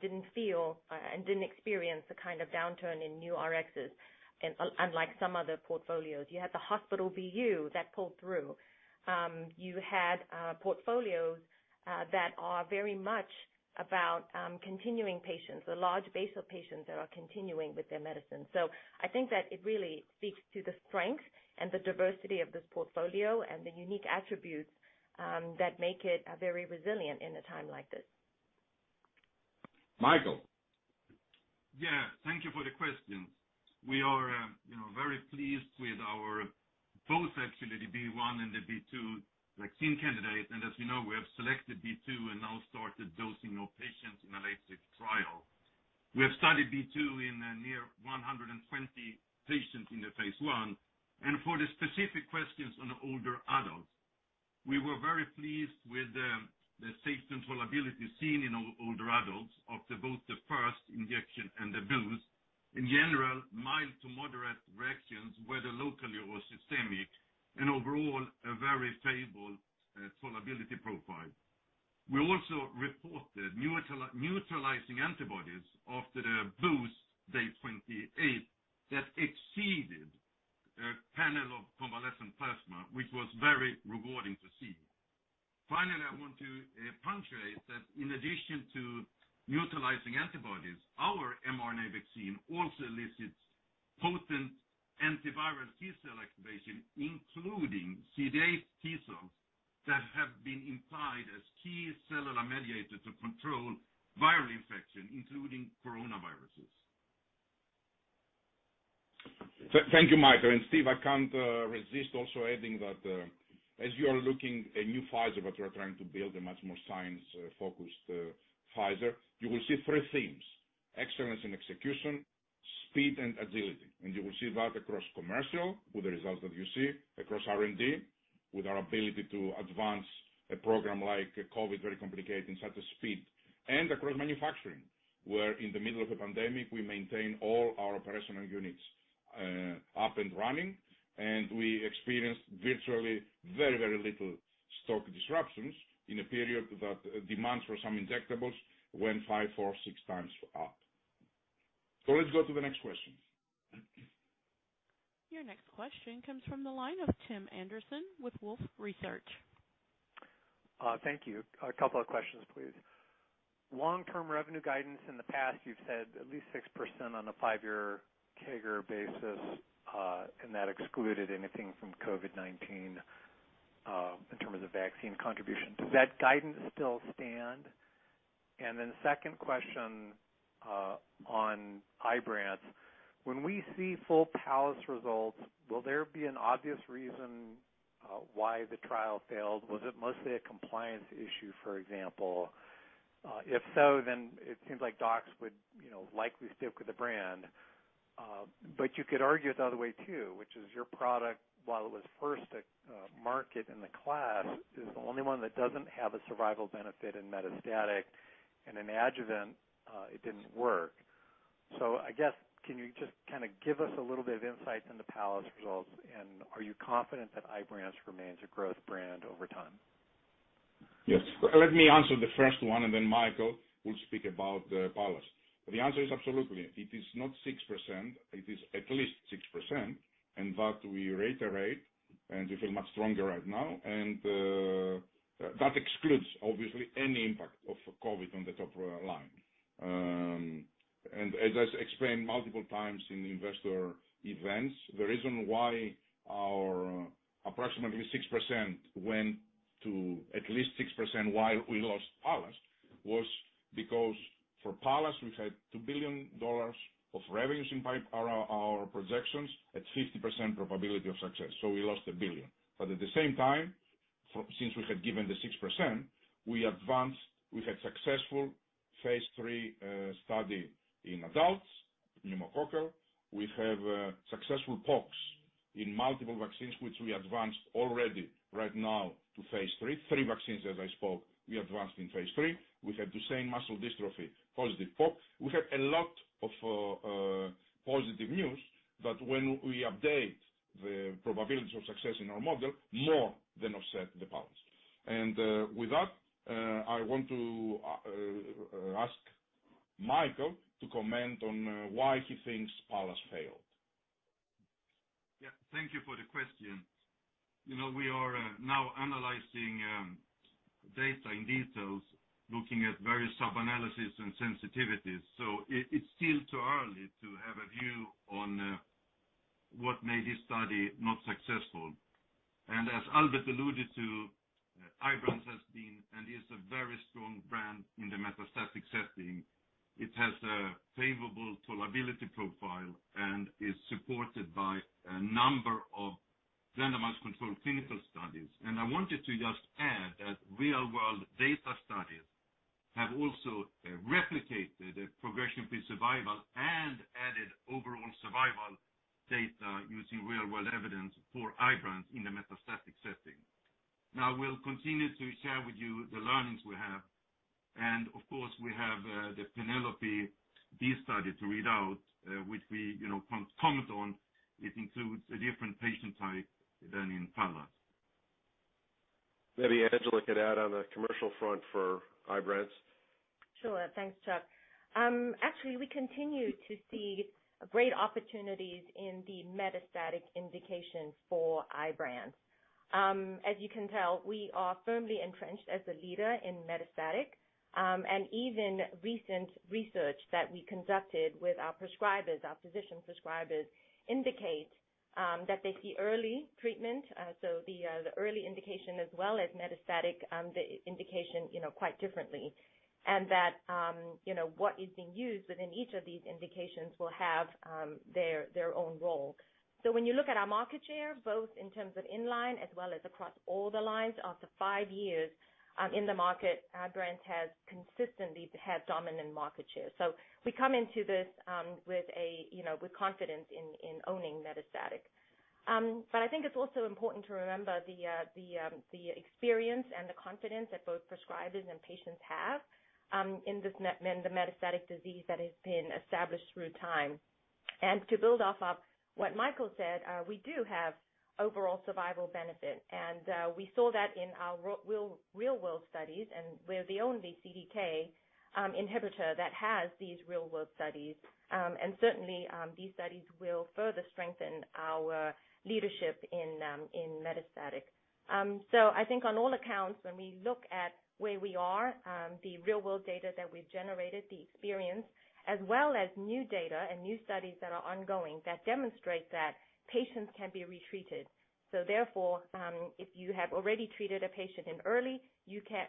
didn't feel and didn't experience the kind of downturn in new Rx's unlike some other portfolios. You had the hospital BU that pulled through. You had portfolios that are very much about continuing patients, a large base of patients that are continuing with their medicine. I think that it really speaks to the strength and the diversity of this portfolio and the unique attributes that make it very resilient in a time like this. Mikael. Yeah. Thank you for the question. We are very pleased with our both actually the B.1 and the B.2 vaccine candidates, and as you know, we have selected B.2 and now started dosing of patients in a later trial. We have studied B.2 in near 120 patients in the phase I, and for the specific questions on older adults, we were very pleased with the safe tolerability seen in older adults after both the first injection and the boost. In general, mild to moderate reactions, whether locally or systemic, and overall, a very favorable tolerability profile. We also reported neutralizing antibodies after the boost, day 28, that exceeded a panel of convalescent plasma, which was very rewarding to see. I want to punctuate that in addition to neutralizing antibodies, our mRNA vaccine also elicits potent antiviral T-cell activation, including CD8 T-cells that have been implied as key cellular mediator to control viral infection, including coronaviruses. Thank you, Mikael, and Steve, I can't resist also adding that as you are looking a New Pfizer, what you are trying to build a much more science-focused Pfizer, you will see three themes, excellence in execution, speed, and agility. You will see that across commercial with the results that you see across R&D with our ability to advance a program like COVID-19, very complicated in such a speed and across manufacturing, where in the middle of a pandemic, we maintain all our operational units up and running, and we experienced virtually very little stock disruptions in a period that demand for some injectables went five or six times up. Let's go to the next question. Your next question comes from the line of Tim Anderson with Wolfe Research. Thank you. A couple of questions, please. Long-term revenue guidance, in the past, you've said at least 6% on a five-year CAGR basis, and that excluded anything from COVID-19 in terms of vaccine contribution. Does that guidance still stand? Second question on IBRANCE. When we see full PALLAS results, will there be an obvious reason why the trial failed? Was it mostly a compliance issue, for example? If so, it seems like docs would likely stick with the brand. You could argue it the other way too, which is your product, while it was first to market in the class, is the only one that doesn't have a survival benefit in metastatic, and in adjuvant, it didn't work. I guess, can you just give us a little bit of insight on the PALLAS results, and are you confident that IBRANCE remains a growth brand over time? Yes. Let me answer the first one, then Mikael will speak about PALLAS. The answer is absolutely. It is not 6%, it is at least 6%, that we reiterate, we feel much stronger right now, that excludes obviously any impact of COVID-19 on the top line. As I explained multiple times in investor events, the reason why our approximately 6% went to at least 6% while we lost PALLAS was because for PALLAS, we had $2 billion of revenues in our projections at 50% probability of success, so we lost $1 billion. At the same time, since we had given the 6%, we advanced, we had successful phase III study in adults, Pneumococcal. We have successful PoC in multiple vaccines, which we advanced already right now to phase III. Three vaccines, as I spoke, we advanced in phase III. We have Duchenne muscular dystrophy, positive PoC. We have a lot of positive news that when we update the probability of success in our model, more than offset the PALLAS. With that, I want to ask Mikael to comment on why he thinks PALLAS failed. Yeah. Thank you for the question. We are now analyzing data in details, looking at various sub-analysis and sensitivities. It's still too early to have a view on what made this study not successful. As Albert alluded to, IBRANCE has been, and is, a very strong brand in the metastatic setting. It has a favorable tolerability profile and is supported by a number of randomized controlled clinical studies. I wanted to just add that real-world data studies have also replicated progression-free survival and added overall survival data using real-world evidence for IBRANCE in the metastatic setting. We'll continue to share with you the learnings we have. Of course, we have the PENELOPE-B study to read out, which we can comment on. It includes a different patient type than in PALLAS. Maybe Angela could add on the commercial front for IBRANCE. Sure. Thanks, Chuck. Actually, we continue to see great opportunities in the metastatic indications for Ibrance. As you can tell, we are firmly entrenched as a leader in metastatic. Even recent research that we conducted with our prescribers, our physician prescribers, indicate that they see early treatment, so the early indication as well as metastatic, the indication quite differently. That what is being used within each of these indications will have their own role. When you look at our market share, both in terms of in line as well as across all the lines after five years in the market, Ibrance has consistently had dominant market share. We come into this with confidence in owning metastatic. I think it's also important to remember the experience and the confidence that both prescribers and patients have in the metastatic disease that has been established through time. To build off of what Mikael said, we do have overall survival benefit, we saw that in our real-world studies, we're the only CDK inhibitor that has these real-world studies. Certainly, these studies will further strengthen our leadership in metastatic. I think on all accounts, when we look at where we are, the real-world data that we've generated, the experience, as well as new data and new studies that are ongoing that demonstrate that patients can be retreated. Therefore, if you have already treated a patient in early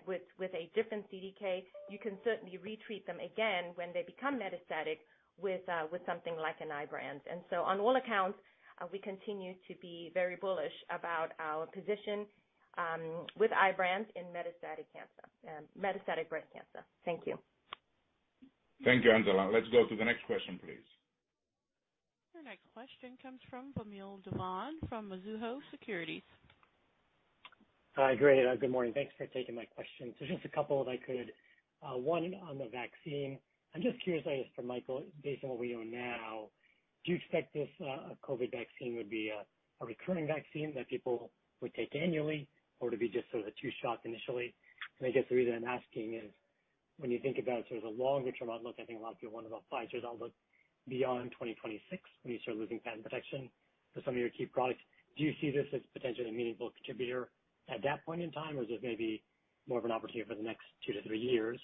with a different CDK, you can certainly retreat them again when they become metastatic with something like an IBRANCE. On all accounts, we continue to be very bullish about our position with IBRANCE in metastatic breast cancer. Thank you. Thank you, Angela. Let's go to the next question, please. Your next question comes from Vamil Divan from Mizuho Securities. Hi, great. Good morning. Thanks for taking my question. Just a couple, if I could. One on the vaccine. I'm just curious, I guess for Mikael, based on what we know now, do you expect this COVID vaccine would be a recurring vaccine that people would take annually or to be just sort of the two shots initially? I guess the reason I'm asking is when you think about a longer-term outlook, I think a lot of people wonder about Pfizer's outlook beyond 2026, when you start losing patent protection for some of your key products. Do you see this as potentially a meaningful contributor at that point in time, or is it maybe more of an opportunity for the next two to three years?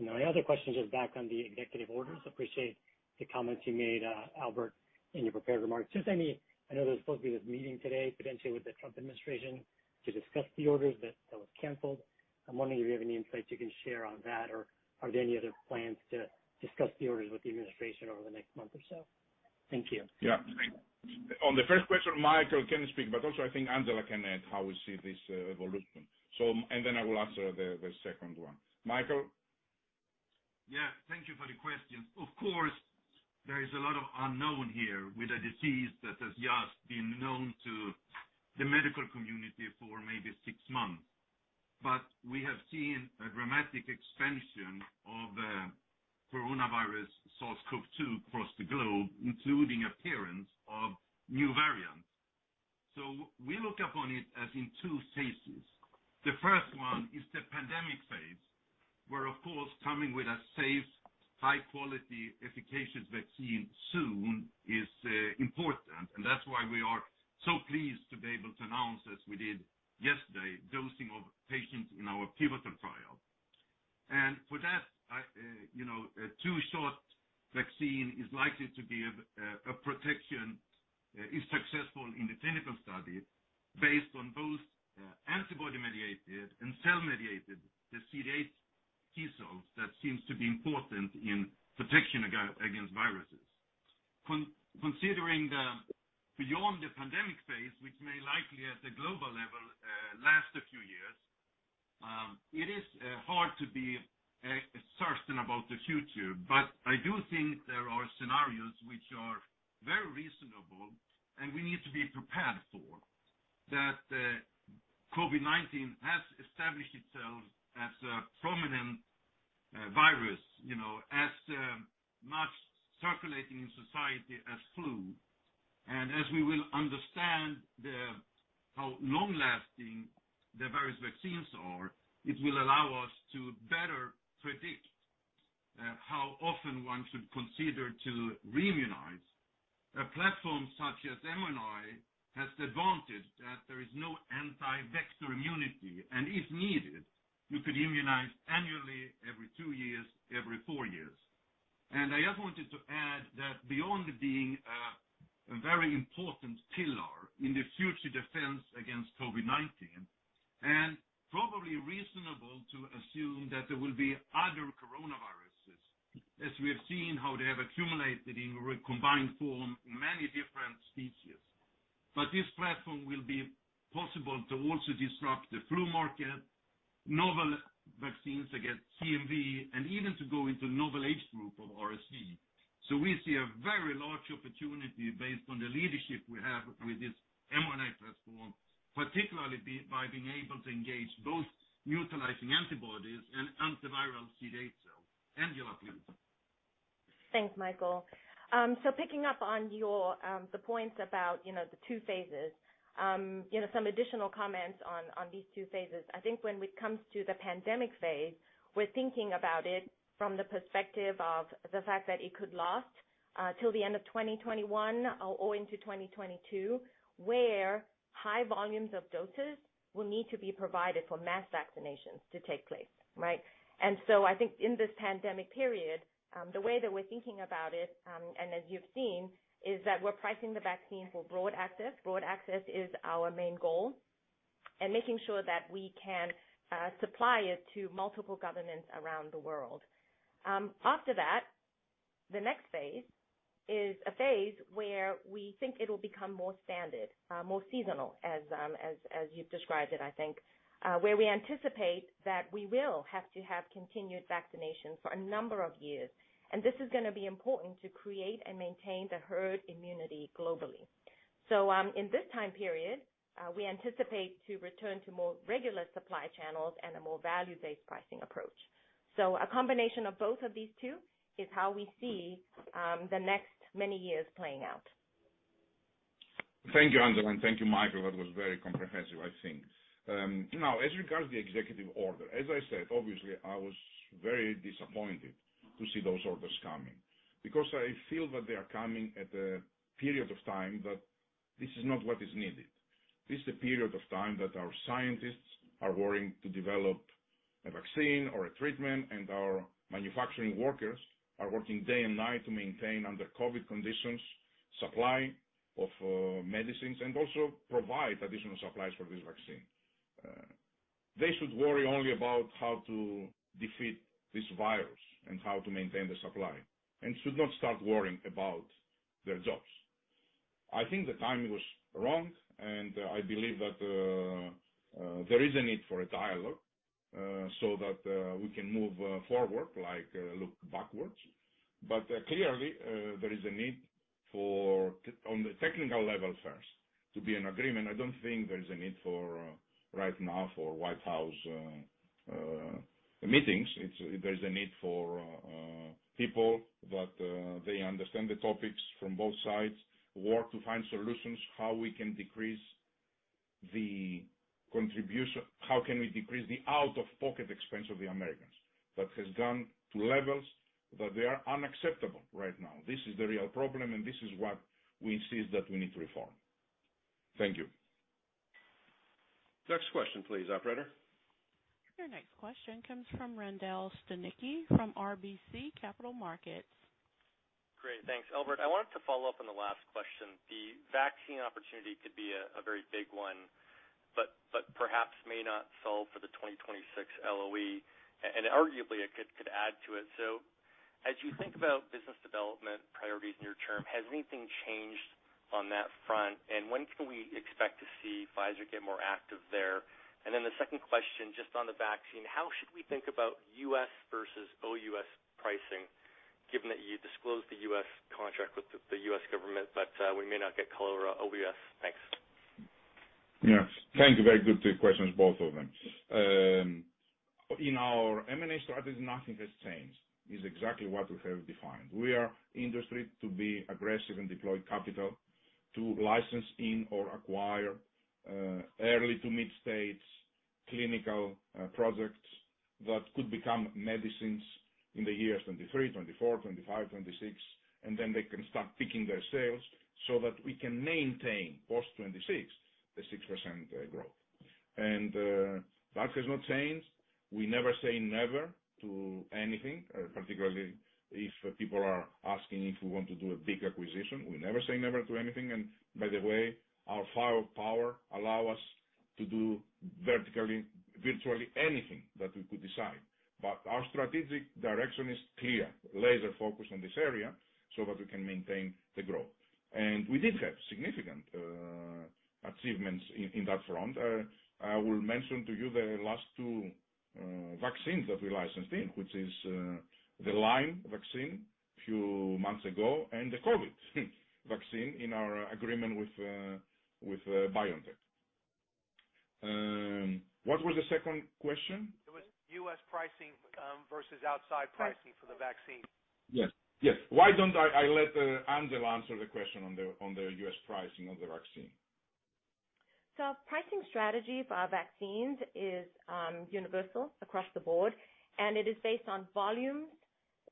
My other question is just back on the executive orders. Appreciate the comments you made, Albert, in your prepared remarks. I know there's supposed to be this meeting today, potentially with the Trump administration, to discuss the orders. That was canceled. I'm wondering if you have any insights you can share on that. Are there any other plans to discuss the orders with the administration over the next month or so? Thank you. Yeah. On the first question, Mikael can speak, also I think Angela can add how we see this evolution. Then I will answer the second one. Mikael? Yeah. Thank you for the question. Of course, there is a lot of unknown here with a disease that has just been known to the medical community for maybe six months. We have seen a dramatic expansion of the coronavirus SARS-CoV-2 across the globe, including appearance of new variants. We look upon it as in two phases. The first one is the pandemic phase, where of course, coming with a safe, high-quality, efficacious vaccine soon is important. That's why we are so pleased to be able to announce, as we did yesterday, dosing of patients in our pivotal trial. For that, a two-shot vaccine is likely to give a protection, is successful in the clinical study based on both antibody-mediated and cell-mediated, the CD8 T cells that seems to be important in protection against viruses. Considering beyond the pandemic phase, which may likely at the global level last a few years, it is hard to be certain about the future. I do think there are scenarios which are very reasonable and we need to be prepared for, that COVID-19 has established itself as a prominent virus, as much circulating in society as flu. As we will understand how long-lasting the various vaccines are, it will allow us to better predict how often one should consider to re-immunize. A platform such as mRNA has the advantage that there is no anti-vector immunity, and if needed, you could immunize annually every two years, every four years. I just wanted to add that beyond it being a very important pillar in the future defense against COVID-19, probably reasonable to assume that there will be other coronaviruses, as we have seen how they have accumulated in recombined form in many different species. This platform will be possible to also disrupt the flu market, novel vaccines against CMV, and even to go into novel age group of RSV. We see a very large opportunity based on the leadership we have with this mRNA platform, particularly by being able to engage both neutralizing antibodies and antiviral CD8 cells. Angela, please. Thanks, Mikael. Picking up on the points about the two phases. Some additional comments on these two phases. I think when it comes to the pandemic phase, we're thinking about it from the perspective of the fact that it could last till the end of 2021 or into 2022, where high volumes of doses will need to be provided for mass vaccinations to take place. Right? I think in this pandemic period, the way that we're thinking about it, and as you've seen, is that we're pricing the vaccine for broad access. Broad access is our main goal. Making sure that we can supply it to multiple governments around the world. After that, the next phase is a phase where we think it'll become more standard, more seasonal as you've described it, I think, where we anticipate that we will have to have continued vaccinations for a number of years. This is going to be important to create and maintain the herd immunity globally. In this time period, we anticipate to return to more regular supply channels and a more value-based pricing approach. A combination of both of these two is how we see the next many years playing out. Thank you, Angela, and thank you, Mikael. That was very comprehensive, I think. Now, as regards the executive order, as I said, obviously, I was very disappointed to see those orders coming. I feel that they are coming at a period of time that this is not what is needed. This is a period of time that our scientists are working to develop a vaccine or a treatment, and our manufacturing workers are working day and night to maintain, under COVID conditions, supply of medicines and also provide additional supplies for this vaccine. They should worry only about how to defeat this virus and how to maintain the supply, and should not start worrying about their jobs. I think the timing was wrong, and I believe that there is a need for a dialogue so that we can move forward, look backwards. Clearly, there is a need on the technical level first, to be in agreement. I don't think there is a need right now for White House meetings. There is a need for people that they understand the topics from both sides, work to find solutions, how we can decrease the contribution, how can we decrease the out-of-pocket expense of the Americans that has gone to levels that they are unacceptable right now? This is the real problem. This is what we insist that we need to reform. Thank you. Next question, please, operator. Your next question comes from Randall Stanicky from RBC Capital Markets. Great. Thanks. Albert, I wanted to follow up on the last question. The vaccine opportunity could be a very big one, but perhaps may not solve for the 2026 LOE, and arguably it could add to it. As you think about business development priorities near-term, has anything changed on that front? When can we expect to see Pfizer get more active there? The second question, just on the vaccine, how should we think about US versus OUS pricing, given that you disclosed the US contract with the US government, but we may not get color OUS. Thanks. Yes. Thank you. Very good two questions, both of them. In our M&A strategies, nothing has changed. It is exactly what we have defined. We are industry to be aggressive and deploy capital to license in or acquire early to mid-stage clinical projects that could become medicines in the years 2023, 2024, 2025, 2026. Then they can start picking their sales so that we can maintain, post 2026, the 6% growth. That has not changed. We never say never to anything, particularly if people are asking if we want to do a big acquisition. We never say never to anything, and by the way, our firepower allow us to do virtually anything that we could decide. Our strategic direction is clear, laser-focused on this area so that we can maintain the growth. We did have significant achievements in that front. I will mention to you the last two vaccines that we licensed in, which is the Lyme vaccine a few months ago, and the COVID vaccine in our agreement with BioNTech. What was the second question? It was U.S. pricing versus outside pricing for the vaccine. Yes. Why don't I let Angela answer the question on the U.S. pricing of the vaccine? Pricing strategy for our vaccines is universal across the board, and it is based on volume,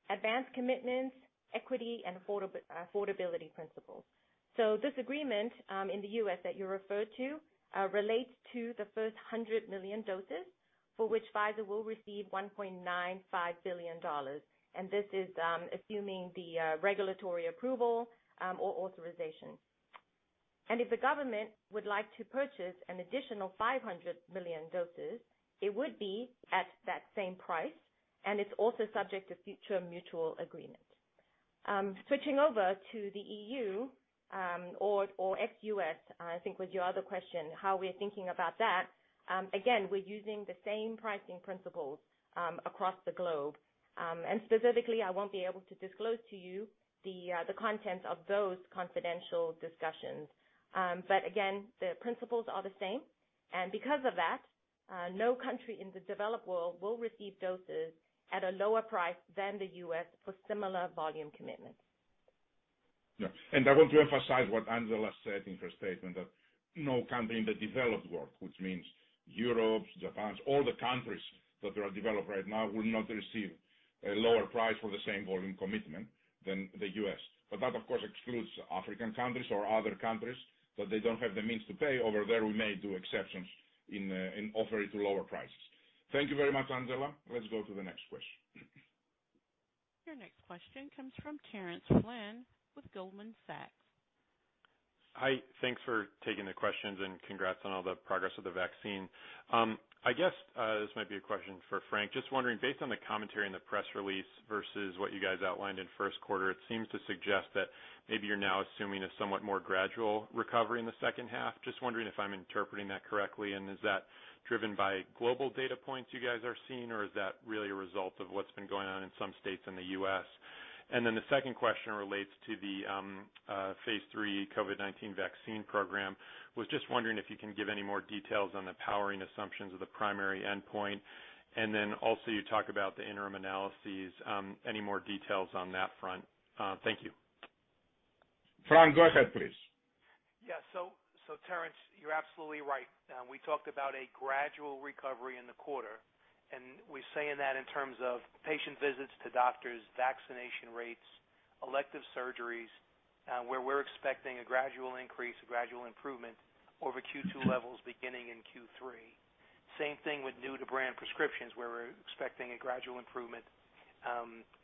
advanced commitments, equity, and affordability principles. This agreement, in the U.S. that you referred to, relates to the first 100 million doses for which Pfizer will receive $1.95 billion. This is assuming the regulatory approval or authorization. If the government would like to purchase an additional 500 million doses, it would be at that same price, and it's also subject to future mutual agreement. Switching over to the EU or ex-U.S., I think was your other question, how we're thinking about that. Again, we're using the same pricing principles across the globe. Specifically, I won't be able to disclose to you the contents of those confidential discussions. Again, the principles are the same. Because of that, no country in the developed world will receive doses at a lower price than the U.S. for similar volume commitments. Yeah. I want to emphasize what Angela said in her statement that no country in the developed world, which means Europe, Japan, all the countries that are developed right now, will not receive a lower price for the same volume commitment than the U.S. That, of course, excludes African countries or other countries that they don't have the means to pay. Over there, we may do exceptions and offer it to lower prices. Thank you very much, Angela. Let's go to the next question. Your next question comes from Terence Flynn with Goldman Sachs. Hi. Thanks for taking the questions and congrats on all the progress of the vaccine. I guess this might be a question for Frank. Just wondering, based on the commentary in the press release versus what you guys outlined in first quarter, it seems to suggest that maybe you're now assuming a somewhat more gradual recovery in the second half. Just wondering if I'm interpreting that correctly, is that driven by global data points you guys are seeing, or is that really a result of what's been going on in some states in the U.S.? The second question relates to the phase III COVID-19 vaccine program. Was just wondering if you can give any more details on the powering assumptions of the primary endpoint. Also you talk about the interim analyses. Any more details on that front? Thank you. Frank, go ahead, please. Terence, you're absolutely right. We talked about a gradual recovery in the quarter, we're saying that in terms of patient visits to doctors, vaccination rates, elective surgeries, where we're expecting a gradual increase, a gradual improvement over Q2 levels beginning in Q3. Same thing with new-to-brand prescriptions, where we're expecting a gradual improvement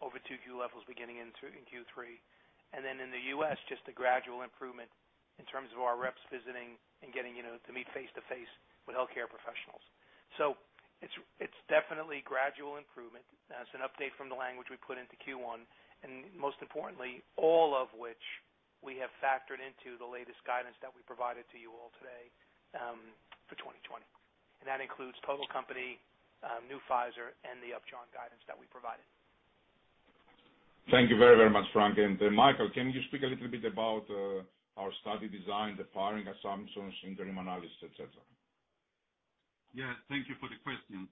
over 2Q levels beginning in Q3. In the U.S., just a gradual improvement in terms of our reps visiting and getting to meet face-to-face with healthcare professionals. It's definitely gradual improvement. That's an update from the language we put into Q1, most importantly, all of which we have factored into the latest guidance that we provided to you all today for 2020. That includes total company, New Pfizer, and the Upjohn guidance that we provided. Thank you very much, Frank. Mikael, can you speak a little bit about our study design, the powering assumptions, interim analysis, et cetera? Yes, thank you for the question.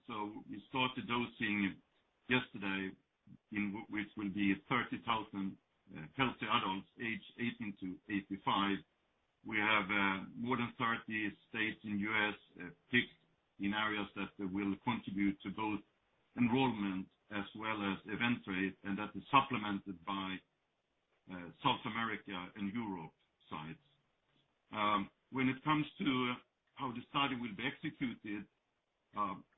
We started dosing yesterday, which will be 30,000 healthy adults aged 18 to 85. We have more than 30 states in the U.S. picked in areas that will contribute to both enrollment as well as event rate, and that is supplemented by South America and Europe sites. When it comes to how the study will be executed,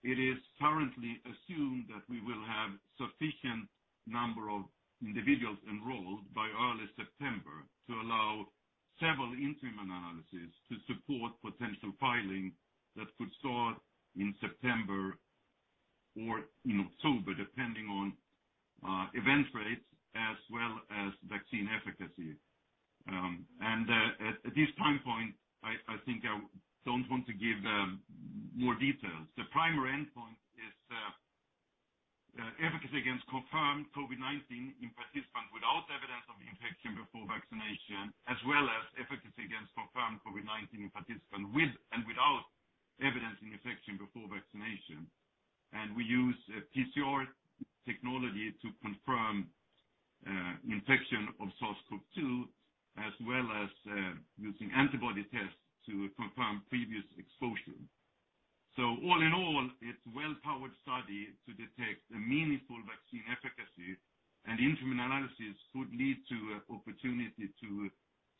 it is currently assumed that we will have sufficient number of individuals enrolled by early September to allow several interim analysis to support potential filing that could start in September or October, depending on event rates as well as vaccine efficacy. At this time point, I think I don't want to give more details. The primary endpoint is efficacy against confirmed COVID-19 in participants without evidence of infection before vaccination, as well as efficacy against confirmed COVID-19 in participants with and without evidence of infection before vaccination. We use PCR technology to confirm infection of SARS-CoV-2, as well as using antibody tests to confirm previous exposure. All in all, it's well-powered study to detect a meaningful vaccine efficacy and interim analysis could lead to opportunity to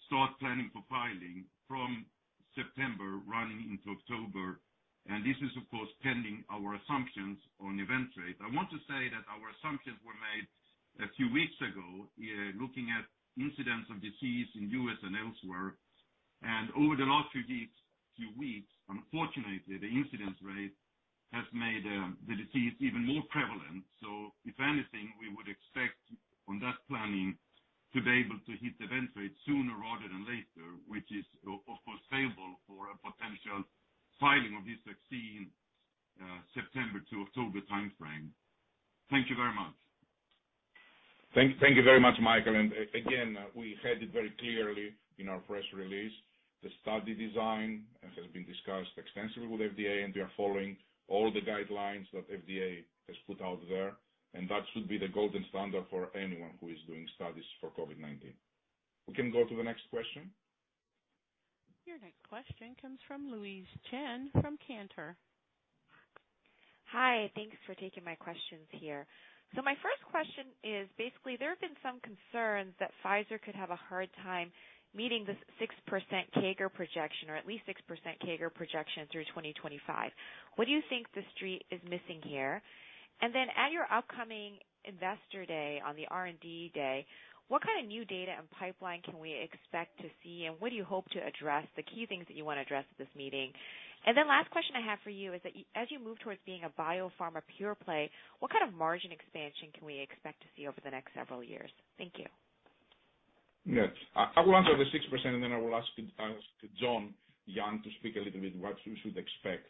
start planning for filing from September running into October. This is, of course, pending our assumptions on event rate. I want to say that our assumptions were made a few weeks ago, looking at incidence of disease in U.S. and elsewhere. Over the last few weeks, unfortunately, the incidence rate has made the disease even more prevalent. If anything, we would expect on that planning to be able to hit event rate sooner rather than later, which is, of course, favorable for a potential filing of this vaccine, September to October timeframe. Thank you very much. Thank you very much, Mikael. Again, we had it very clearly in our press release. The study design has been discussed extensively with FDA, and we are following all the guidelines that FDA has put out there, and that should be the golden standard for anyone who is doing studies for COVID-19. We can go to the next question. Your next question comes from Louise Chen from Cantor. Hi, thanks for taking my questions here. My first question is, basically, there have been some concerns that Pfizer could have a hard time meeting this 6% CAGR projection or at least 6% CAGR projection through 2025. What do you think the Street is missing here? At your upcoming Investor Day, on the R&D day, what kind of new data and pipeline can we expect to see? What do you hope to address, the key things that you want to address at this meeting? Last question I have for you is that as you move towards being a Biopharma pure-play, what kind of margin expansion can we expect to see over the next several years? Thank you. Yes. I will answer the 6%, then I will ask John Young to speak a little bit what you should expect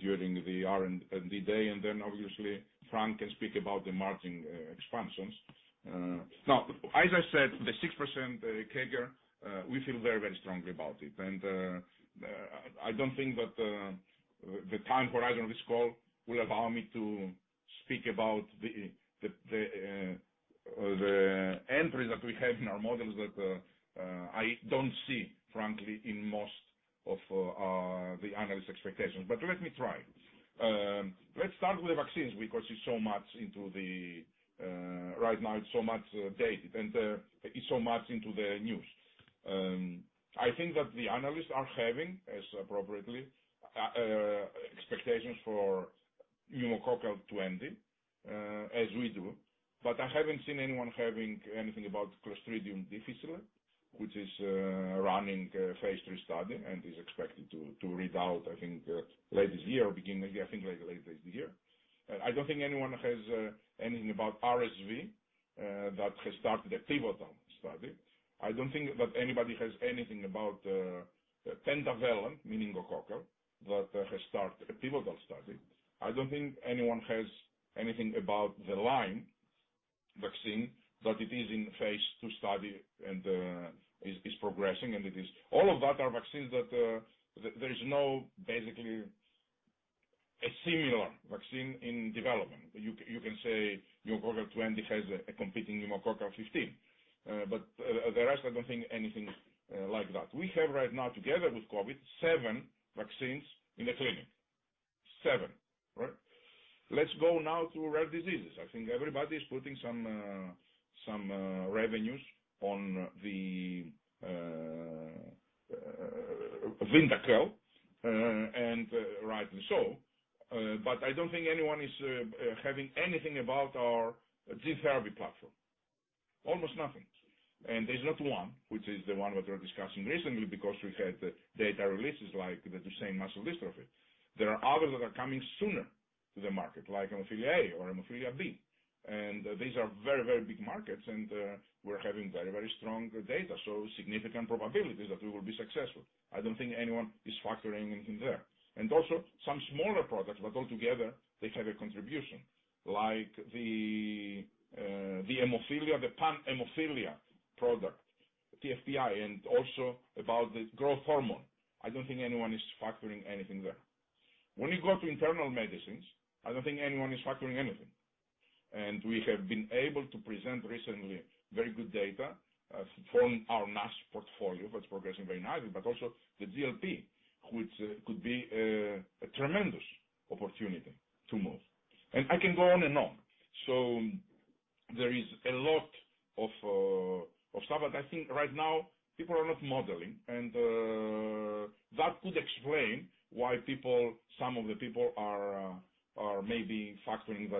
during the R&D day, then obviously Frank can speak about the margin expansions. As I said, the 6% CAGR, we feel very, very strongly about it. I don't think that the time horizon of this call will allow me to speak about the entries that we have in our models that I don't see, frankly, in most of the analysts' expectations. Let me try. Let's start with vaccines because right now it's so much data and it's so much into the news. I think that the analysts are having, as appropriately, expectations for Pneumococcal 20 as we do. I haven't seen anyone having anything about Clostridium difficile, which is running a phase III study and is expected to read out, I think, late this year or beginning late this year. I don't think anyone has anything about RSV that has started a pivotal study. I don't think that anybody has anything about pentavalent meningococcal that has start a pivotal study. I don't think anyone has anything about the Lyme vaccine, it is in phase II study and is progressing and All of that are vaccines that there is no, basically, a similar vaccine in development. You can say Pneumococcal 20 has a competing Pneumococcal 15. The rest, I don't think anything like that. We have right now, together with COVID, seven vaccines in the clinic. Seven, right? Let's go now to rare diseases. I think everybody's putting some revenues on the VYNDAQEL, and rightly so. I don't think anyone is having anything about our gene therapy platform. Almost nothing. There's not one, which is the one that we're discussing recently because we had data releases like the Duchenne muscular dystrophy. There are others that are coming sooner to the market, like hemophilia A or hemophilia B. These are very, very big markets, and we're having very, very strong data, so significant probabilities that we will be successful. I don't think anyone is factoring anything there. Also some smaller products, but altogether they have a contribution. Like the hemophilia, the pan-hemophilia product PFBI and also about the growth hormone. I don't think anyone is factoring anything there. When you go to internal medicines, I don't think anyone is factoring anything. We have been able to present recently very good data from our NASH portfolio that's progressing very nicely, but also the GLP-1, which could be a tremendous opportunity to move. I can go on and on. There is a lot of stuff that I think right now people are not modeling, and that could explain why some of the people are maybe factoring the 6%,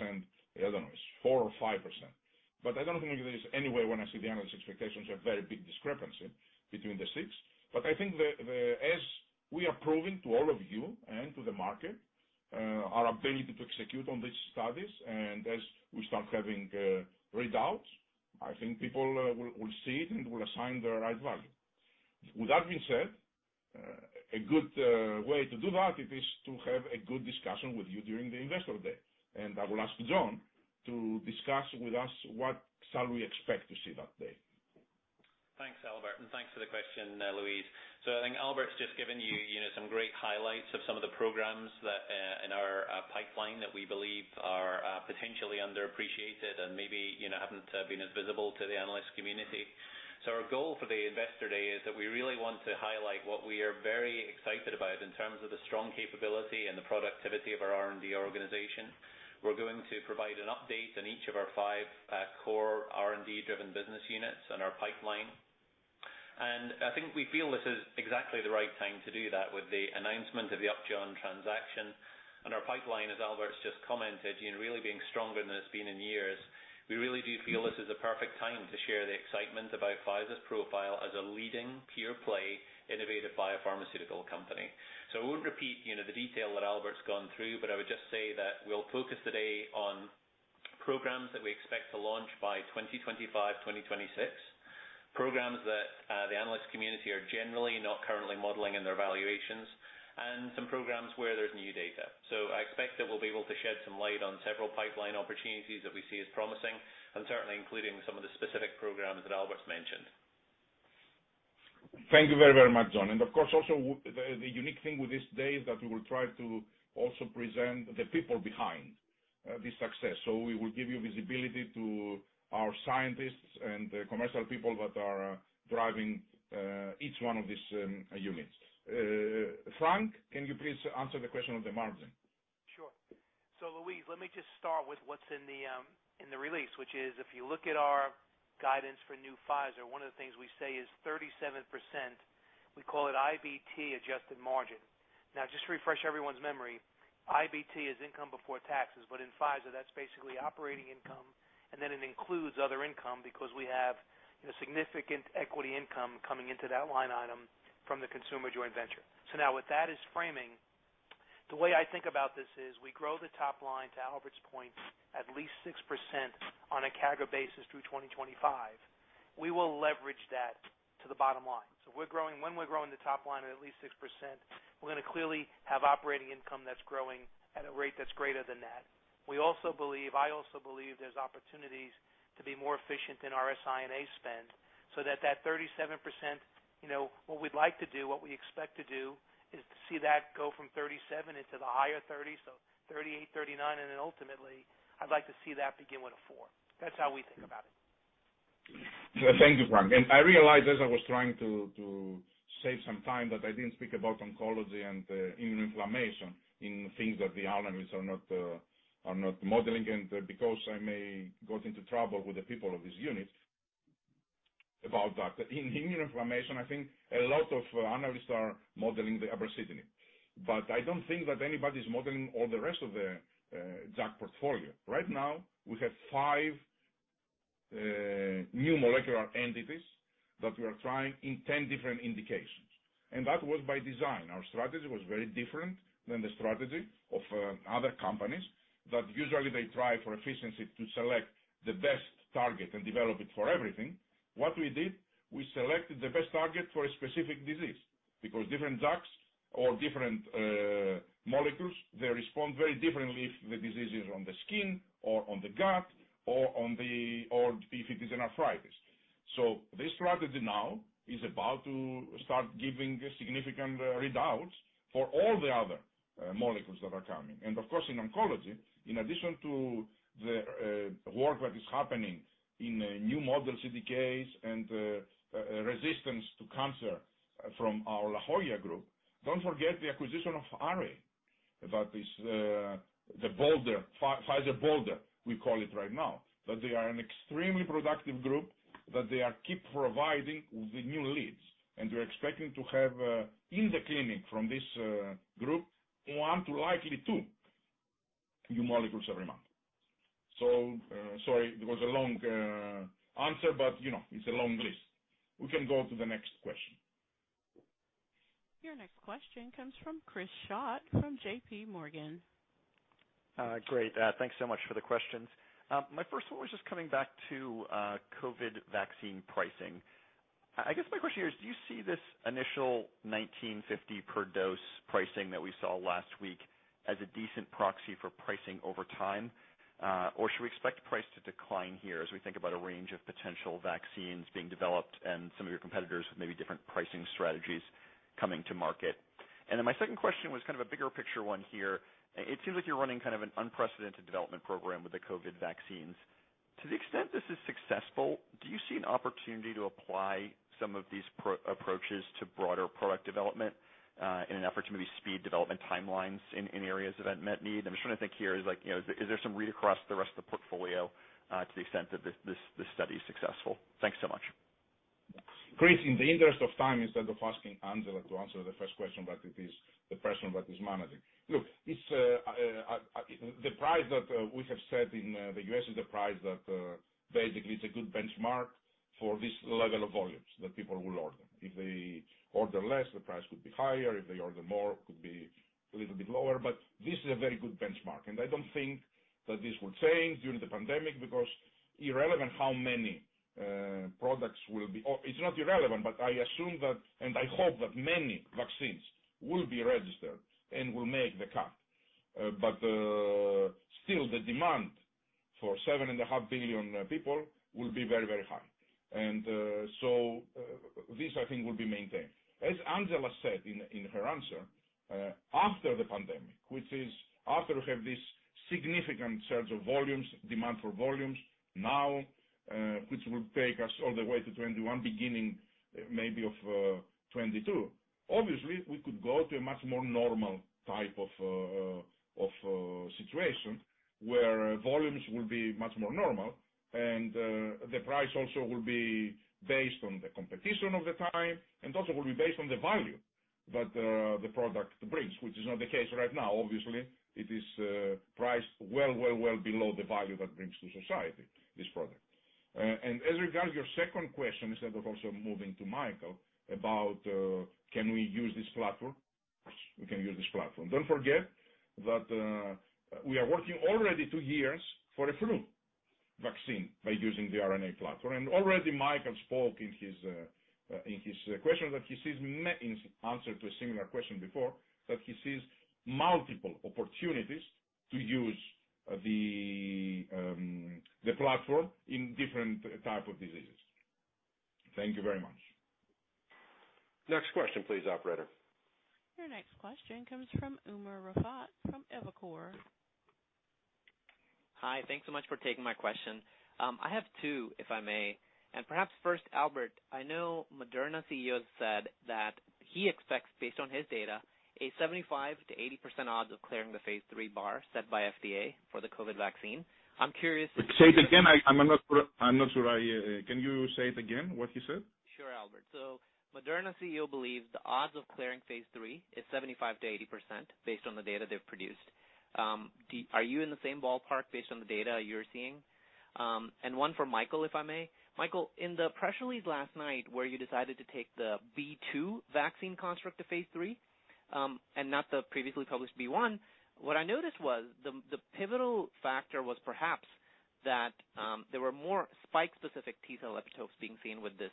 I don't know, 4% or 5%. I don't think there is any way when I see the analyst expectations are very big discrepancy between the six. I think that as we are proving to all of you and to the market, our ability to execute on these studies and as we start having readouts, I think people will see it and will assign the right value. With that being said, a good way to do that is to have a good discussion with you during the Investor Day. I will ask John to discuss with us what shall we expect to see that day. Thanks, Albert, and thanks for the question, Louise. I think Albert's just given you some great highlights of some of the programs in our pipeline that we believe are potentially underappreciated and maybe haven't been as visible to the analyst community. Our goal for the Investor Day is that we really want to highlight what we are very excited about in terms of the strong capability and the productivity of our R&D organization. We're going to provide an update on each of our five core R&D-driven business units and our pipeline. I think we feel this is exactly the right time to do that with the announcement of the Upjohn transaction and our pipeline, as Albert's just commented, really being stronger than it's been in years. We really do feel this is the perfect time to share the excitement about Pfizer's profile as a leading pure-play innovative biopharmaceutical company. I won't repeat the detail that Albert's gone through, but I would just say that we'll focus today on programs that we expect to launch by 2025, 2026, programs that the analyst community are generally not currently modeling in their valuations, and some programs where there's new data. I expect that we'll be able to shed some light on several pipeline opportunities that we see as promising and certainly including some of the specific programs that Albert's mentioned. Thank you very much, John. Of course, also the unique thing with this day is that we will try to also present the people behind this success. We will give you visibility to our scientists and the commercial people that are driving each one of these units. Frank, can you please answer the question on the margin? Louise, let me just start with what's in the release, which is if you look at our guidance for New Pfizer, one of the things we say is 37%, we call it IBT adjusted margin. Just to refresh everyone's memory, IBT is income before taxes, but in Pfizer, that's basically operating income, and then it includes other income because we have significant equity income coming into that line item from the Consumer joint venture. With that as framing, the way I think about this is we grow the top line, to Albert's point, at least 6% on a CAGR basis through 2025. We will leverage that to the bottom line. When we're growing the top line at least 6%, we're going to clearly have operating income that's growing at a rate that's greater than that. I also believe there's opportunities to be more efficient in our SI&A spend, so that 37%, what we expect to do is to see that go from 37 into the higher 30, so 38, 39. Then ultimately, I'd like to see that begin with a four. That's how we think about it. Thank you, Frank. I realized as I was trying to save some time, that I didn't speak about oncology and immune inflammation in things that the analysts are not modeling and because I may got into trouble with the people of this unit about that. In immune inflammation, I think a lot of analysts are modeling the abrocitinib. I don't think that anybody's modeling all the rest of the JAK portfolio. Right now, we have five new molecular entities that we are trying in 10 different indications. That was by design. Our strategy was very different than the strategy of other companies, that usually they try for efficiency to select the best target and develop it for everything. What we did, we selected the best target for a specific disease because different JAKs or different molecules, they respond very differently if the disease is on the skin or on the gut or if it is an arthritis. This strategy now is about to start giving significant readouts for all the other molecules that are coming. Of course, in oncology, in addition to the work that is happening in new model CDKs and resistance to cancer from our La Jolla group, don't forget the acquisition of Array, about the Pfizer Boulder, we call it right now. They are an extremely productive group, that they are keep providing the new leads, and we are expecting to have in the clinic from this group, one to likely two new molecules every month. Sorry, it was a long answer, but it's a long list. We can go to the next question. Your next question comes from Chris Schott from JPMorgan. Great. Thanks so much for the questions. My first one was just coming back to COVID vaccine pricing. I guess my question here is, do you see this initial $19.50 per dose pricing that we saw last week as a decent proxy for pricing over time? Should we expect price to decline here as we think about a range of potential vaccines being developed and some of your competitors with maybe different pricing strategies coming to market? My second question was kind of a bigger picture one here. It seems like you're running an unprecedented development program with the COVID vaccines. To the extent this is successful, do you see an opportunity to apply some of these approaches to broader product development, in an effort to maybe speed development timelines in areas of unmet need? I'm just trying to think here, is there some read-across the rest of the portfolio to the extent that this study is successful? Thanks so much. Chris, in the interest of time, instead of asking Angela to answer the first question about the person that is managing. Look, the price that we have set in the U.S. is the price that basically is a good benchmark for this level of volumes that people will order. If they order less, the price could be higher. If they order more, it could be a little bit lower. This is a very good benchmark, and I don't think that this will change during the pandemic, because it's not irrelevant, but I assume that, and I hope that many vaccines will be registered and will make the cut. Still the demand for 7.5 billion people will be very high. This, I think, will be maintained. As Angela said in her answer, after the pandemic, which is after we have this significant surge of volumes, demand for volumes now, which will take us all the way to 2021, beginning maybe of 2022. We could go to a much more normal type of situation where volumes will be much more normal, the price also will be based on the competition of the time, and also will be based on the value that the product brings, which is not the case right now. It is priced well below the value that brings to society, this product. As regards your second question, instead of also moving to Mikael, about can we use this platform? We can use this platform. Don't forget that we are working already two years for a flu vaccine by using the RNA platform. Already Mikael spoke in his answer to a similar question before, that he sees multiple opportunities to use the platform in different type of diseases. Thank you very much. Next question, please, operator. Your next question comes from Umer Raffat from Evercore. Hi. Thanks so much for taking my question. I have two, if I may. Perhaps first, Albert, I know Moderna CEO said that he expects, based on his data, a 75%-80% odds of clearing the phase III bar set by FDA for the COVID vaccine. I'm curious. Say it again. I'm not sure. Can you say it again, what he said? Sure, Albert. Moderna CEO believes the odds of clearing phase III is 75%-80% based on the data they've produced. Are you in the same ballpark based on the data you're seeing? One for Mikael, if I may. Mikael, in the press release last night where you decided to take the B.2 vaccine construct to phase III, not the previously published B.1, what I noticed was the pivotal factor was perhaps that there were more spike-specific T-cell epitopes being seen with this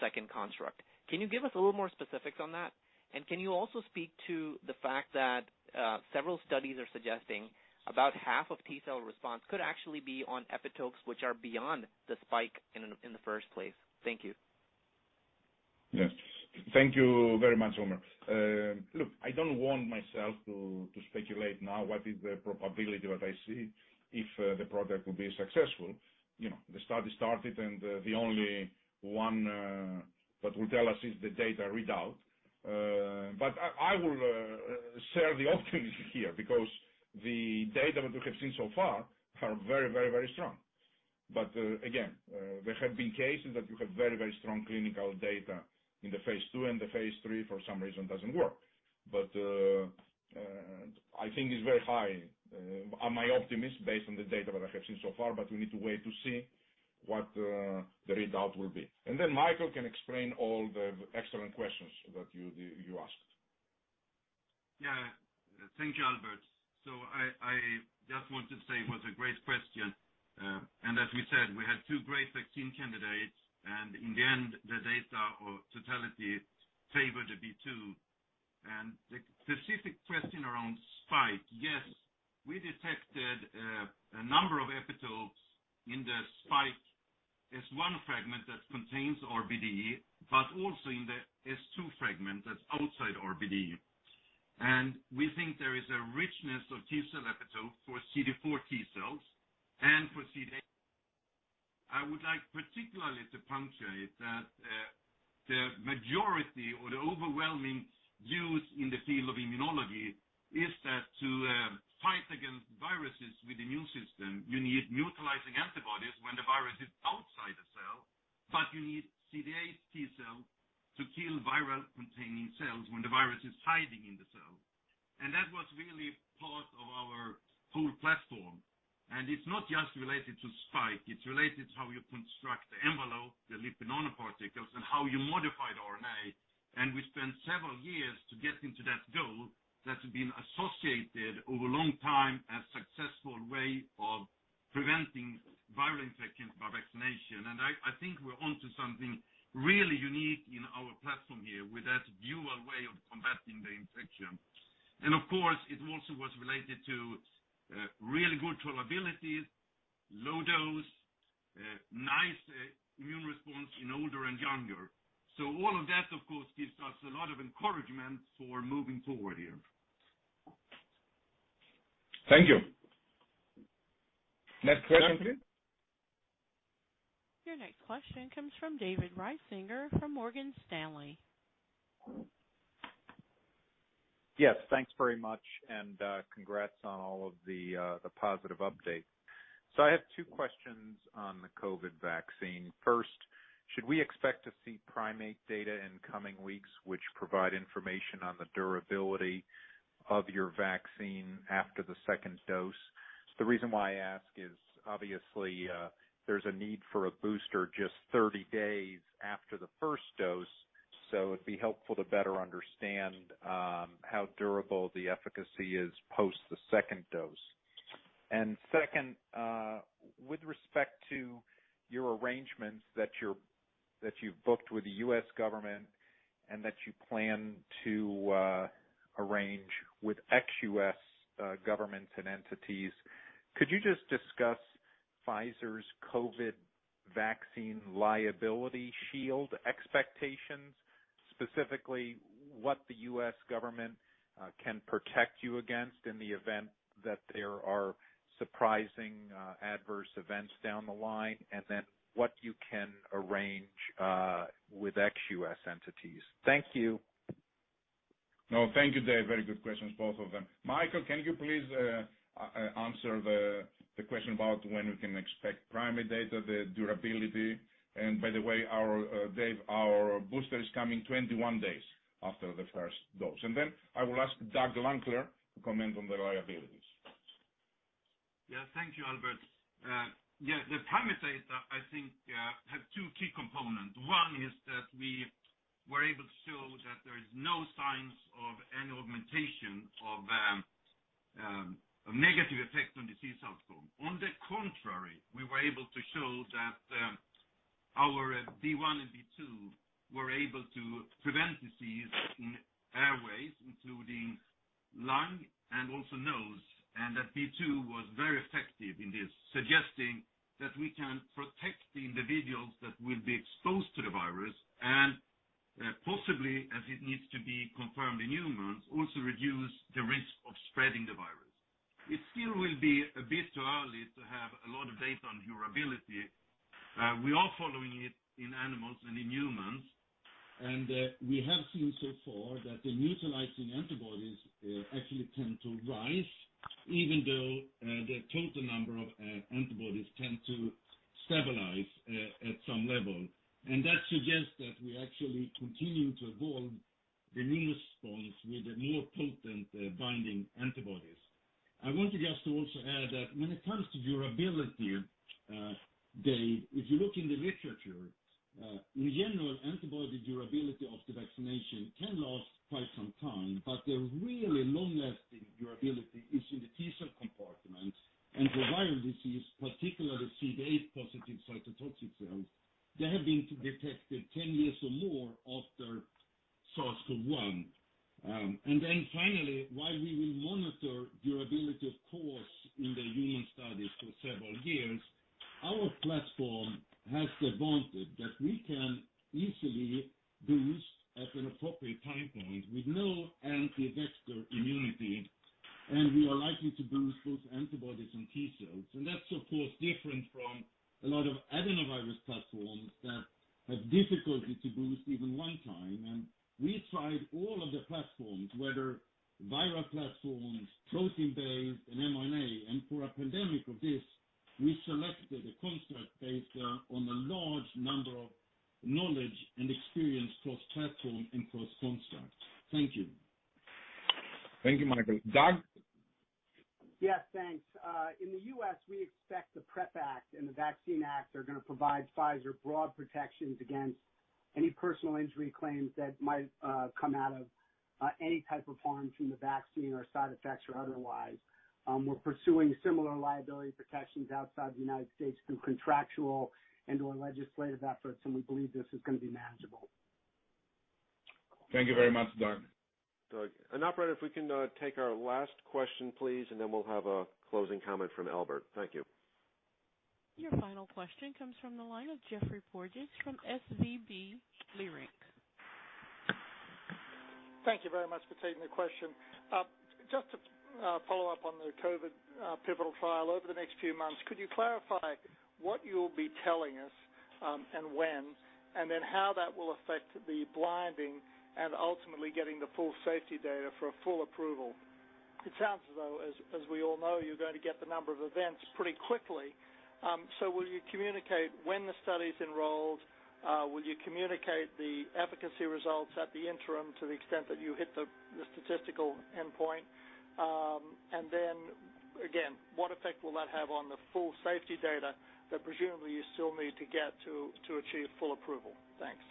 second construct. Can you give us a little more specifics on that? Can you also speak to the fact that several studies are suggesting about half of T-cell response could actually be on epitopes which are beyond the spike in the first place? Thank you. Yes. Thank you very much, Umer. Look, I don't want myself to speculate now what is the probability what I see if the product will be successful. The study started. The only one that will tell us is the data readout. I will share the options here, because the data that we have seen so far are very strong. Again, there have been cases that you have very strong clinical data in the phase II, and the phase III, for some reason, doesn't work. I think it's very high. I'm an optimist based on the data that I have seen so far, but we need to wait to see what the readout will be. Mikael can explain all the excellent questions that you asked. Thank you, Albert. I just want to say it was a great question. As we said, we had two great vaccine candidates, and in the end, the data or totality favored the B.2. The specific question around spike, yes, we detected a number of epitopes in the spike as one fragment that contains RBD, but also in the S2 fragment that's outside RBD. We think there is a richness of T-cell epitope for CD4 T-cells and for CD8. I would like particularly to punctuate that the majority or the overwhelming use in the field of immunology is that to fight against viruses with the immune system, you need neutralizing antibodies when the virus is outside the cell, but you need CD8 T-cell to kill viral-containing cells when the virus is hiding in the cell. That was really part of our whole platform, and it's not just related to spike. It's related to how you construct the envelope, the lipid nanoparticles, and how you modify them. We spent several years to get into that goal that's been associated over a long time as successful way of preventing viral infections by vaccination. I think we're onto something really unique in our platform here with that dual way of combating the infection. Of course, it also was related to really good tolerabilities, low dose, nice immune response in older and younger. All of that, of course, gives us a lot of encouragement for moving forward here. Thank you. Next question, please. Your next question comes from David Risinger, from Morgan Stanley. Yes, thanks very much, and congrats on all of the positive updates. I have two questions on the COVID vaccine. First, should we expect to see primate data in coming weeks which provide information on the durability of your vaccine after the second dose? The reason why I ask is obviously, there's a need for a booster just 30 days after the first dose, so it'd be helpful to better understand how durable the efficacy is post the second dose. Second, with respect to your arrangements that you've booked with the U.S. government and that you plan to arrange with ex-U.S. governments and entities, could you just discuss Pfizer's COVID vaccine liability shield expectations, specifically what the U.S. government can protect you against in the event that there are surprising adverse events down the line, and then what you can arrange with ex-U.S. entities? Thank you. No, thank you, David. Very good questions, both of them. Mikael, can you please answer the question about when we can expect primate data, the durability. By the way, Dave, our booster is coming 21 days after the first dose. Then I will ask Doug Lankler to comment on the liabilities. Yeah. Thank you, Albert. Yeah. The primate data, I think, have two key components. One is that we were able to show that there is no signs of any augmentation of a negative effect on disease outcome. On the contrary, we were able to show that our B.1 and B.2 were able to prevent disease in airways, including lung and also nose, and that B.2 was very effective in this, suggesting that we can protect individuals that will be exposed to the virus and possibly, as it needs to be confirmed in humans, also reduce the risk of spreading the virus. It still will be a bit too early to have a lot of data on durability. We are following it in animals and in humans. We have seen so far that the neutralizing antibodies actually tend to rise even though the total number of antibodies tend to stabilize at some level. That suggests that we actually continue to evolve the immune response with more potent binding antibodies. I want just to also add that when it comes to durability, Dave, if you look in the literature, in general, antibody durability of the vaccination can last quite some time, but the really long-lasting durability is in the T-cell compartment. For viral disease, particularly CD8 positive cytotoxic cells, they have been detected 10 years or more after SARS-CoV-1. Finally, while we will monitor durability, of course, in the human studies for several years, our platform has the advantage that we can easily boost at an appropriate time point with no anti-vector immunity, and we are likely to boost both antibodies and T-cells. That's, of course, different from a lot of adenovirus platforms that have difficulty to boost even one time. We tried all of the platforms, whether viral platforms, protein-based, and mRNA. For a pandemic of this, we selected a construct based on a large number of knowledge and experience cross-platform and cross-construct. Thank you. Thank you, Mikael. Doug? Yes, thanks. In the U.S., we expect the PREP Act and the Vaccine Act are going to provide Pfizer broad protections against any personal injury claims that might come out of any type of harm from the vaccine or side effects or otherwise. We're pursuing similar liability protections outside the United States through contractual and/or legislative efforts, and we believe this is going to be manageable. Thank you very much, Doug. Doug. Operator, if we can take our last question, please, and then we'll have a closing comment from Albert. Thank you. Your final question comes from the line of Geoffrey Porges from SVB Leerink. Thank you very much for taking the question. Just to follow up on the COVID pivotal trial. Over the next few months, could you clarify what you'll be telling us and when, then how that will affect the blinding and ultimately getting the full safety data for a full approval? It sounds as though, as we all know, you're going to get the number of events pretty quickly. Will you communicate when the study's enrolled? Will you communicate the efficacy results at the interim to the extent that you hit the statistical endpoint? Then again, what effect will that have on the full safety data that presumably you still need to get to achieve full approval? Thanks.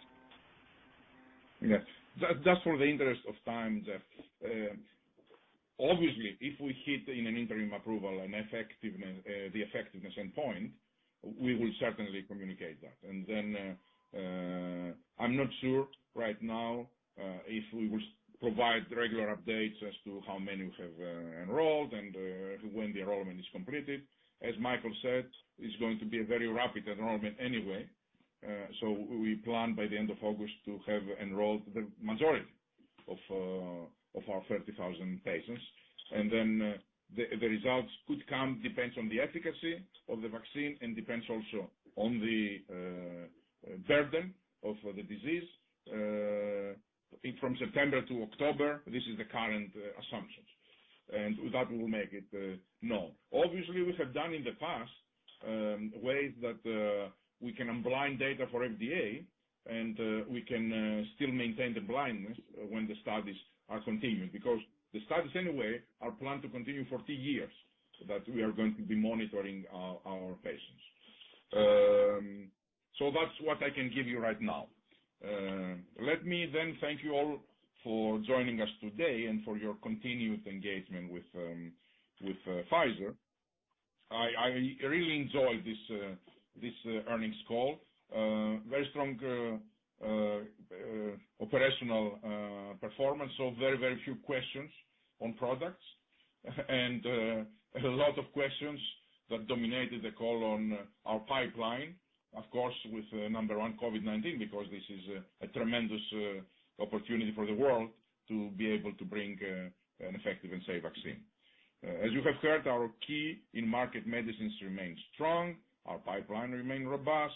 Yes. Just for the interest of time, Geoff. Obviously, if we hit in an interim approval the effectiveness endpoint, we will certainly communicate that. Then I'm not sure right now if we will provide regular updates as to how many we have enrolled and when the enrollment is completed. As Mikael said, it's going to be a very rapid enrollment anyway. We plan by the end of August to have enrolled the majority of our 30,000 patients. Then the results could come, depends on the efficacy of the vaccine, and depends also on the burden of the disease. I think from September to October, this is the current assumption. With that, we will make it known. Obviously, we have done in the past ways that we can unblind data for FDA, and we can still maintain the blindness when the studies are continuing, because the studies anyway, are planned to continue for two years, that we are going to be monitoring our patients. That's what I can give you right now. Let me thank you all for joining us today and for your continuous engagement with Pfizer. I really enjoyed this earnings call. Very strong operational performance, very few questions on products. A lot of questions that dominated the call on our pipeline, of course, with number one COVID-19, because this is a tremendous opportunity for the world to be able to bring an effective and safe vaccine. As you have heard, our key in-market medicines remain strong, our pipeline remain robust,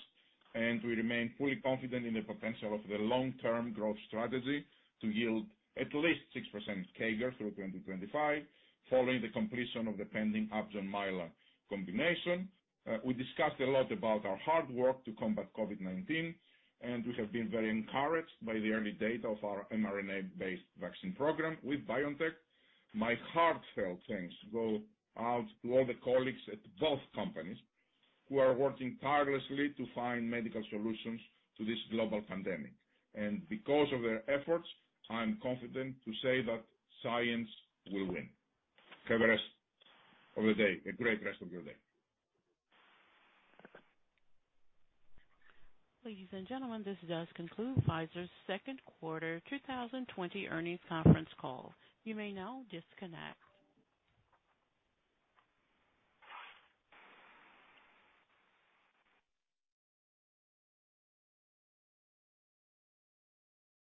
and we remain fully confident in the potential of the long-term growth strategy to yield at least 6% CAGR through 2025, following the completion of the pending Upjohn Mylan combination. We discussed a lot about our hard work to combat COVID-19. We have been very encouraged by the early data of our mRNA-based vaccine program with BioNTech. My heartfelt thanks go out to all the colleagues at both companies who are working tirelessly to find medical solutions to this global pandemic. Because of their efforts, I am confident to say that science will win. Have a great rest of your day. Ladies and gentlemen, this does conclude Pfizer's second quarter 2020 earnings conference call. You may now disconnect.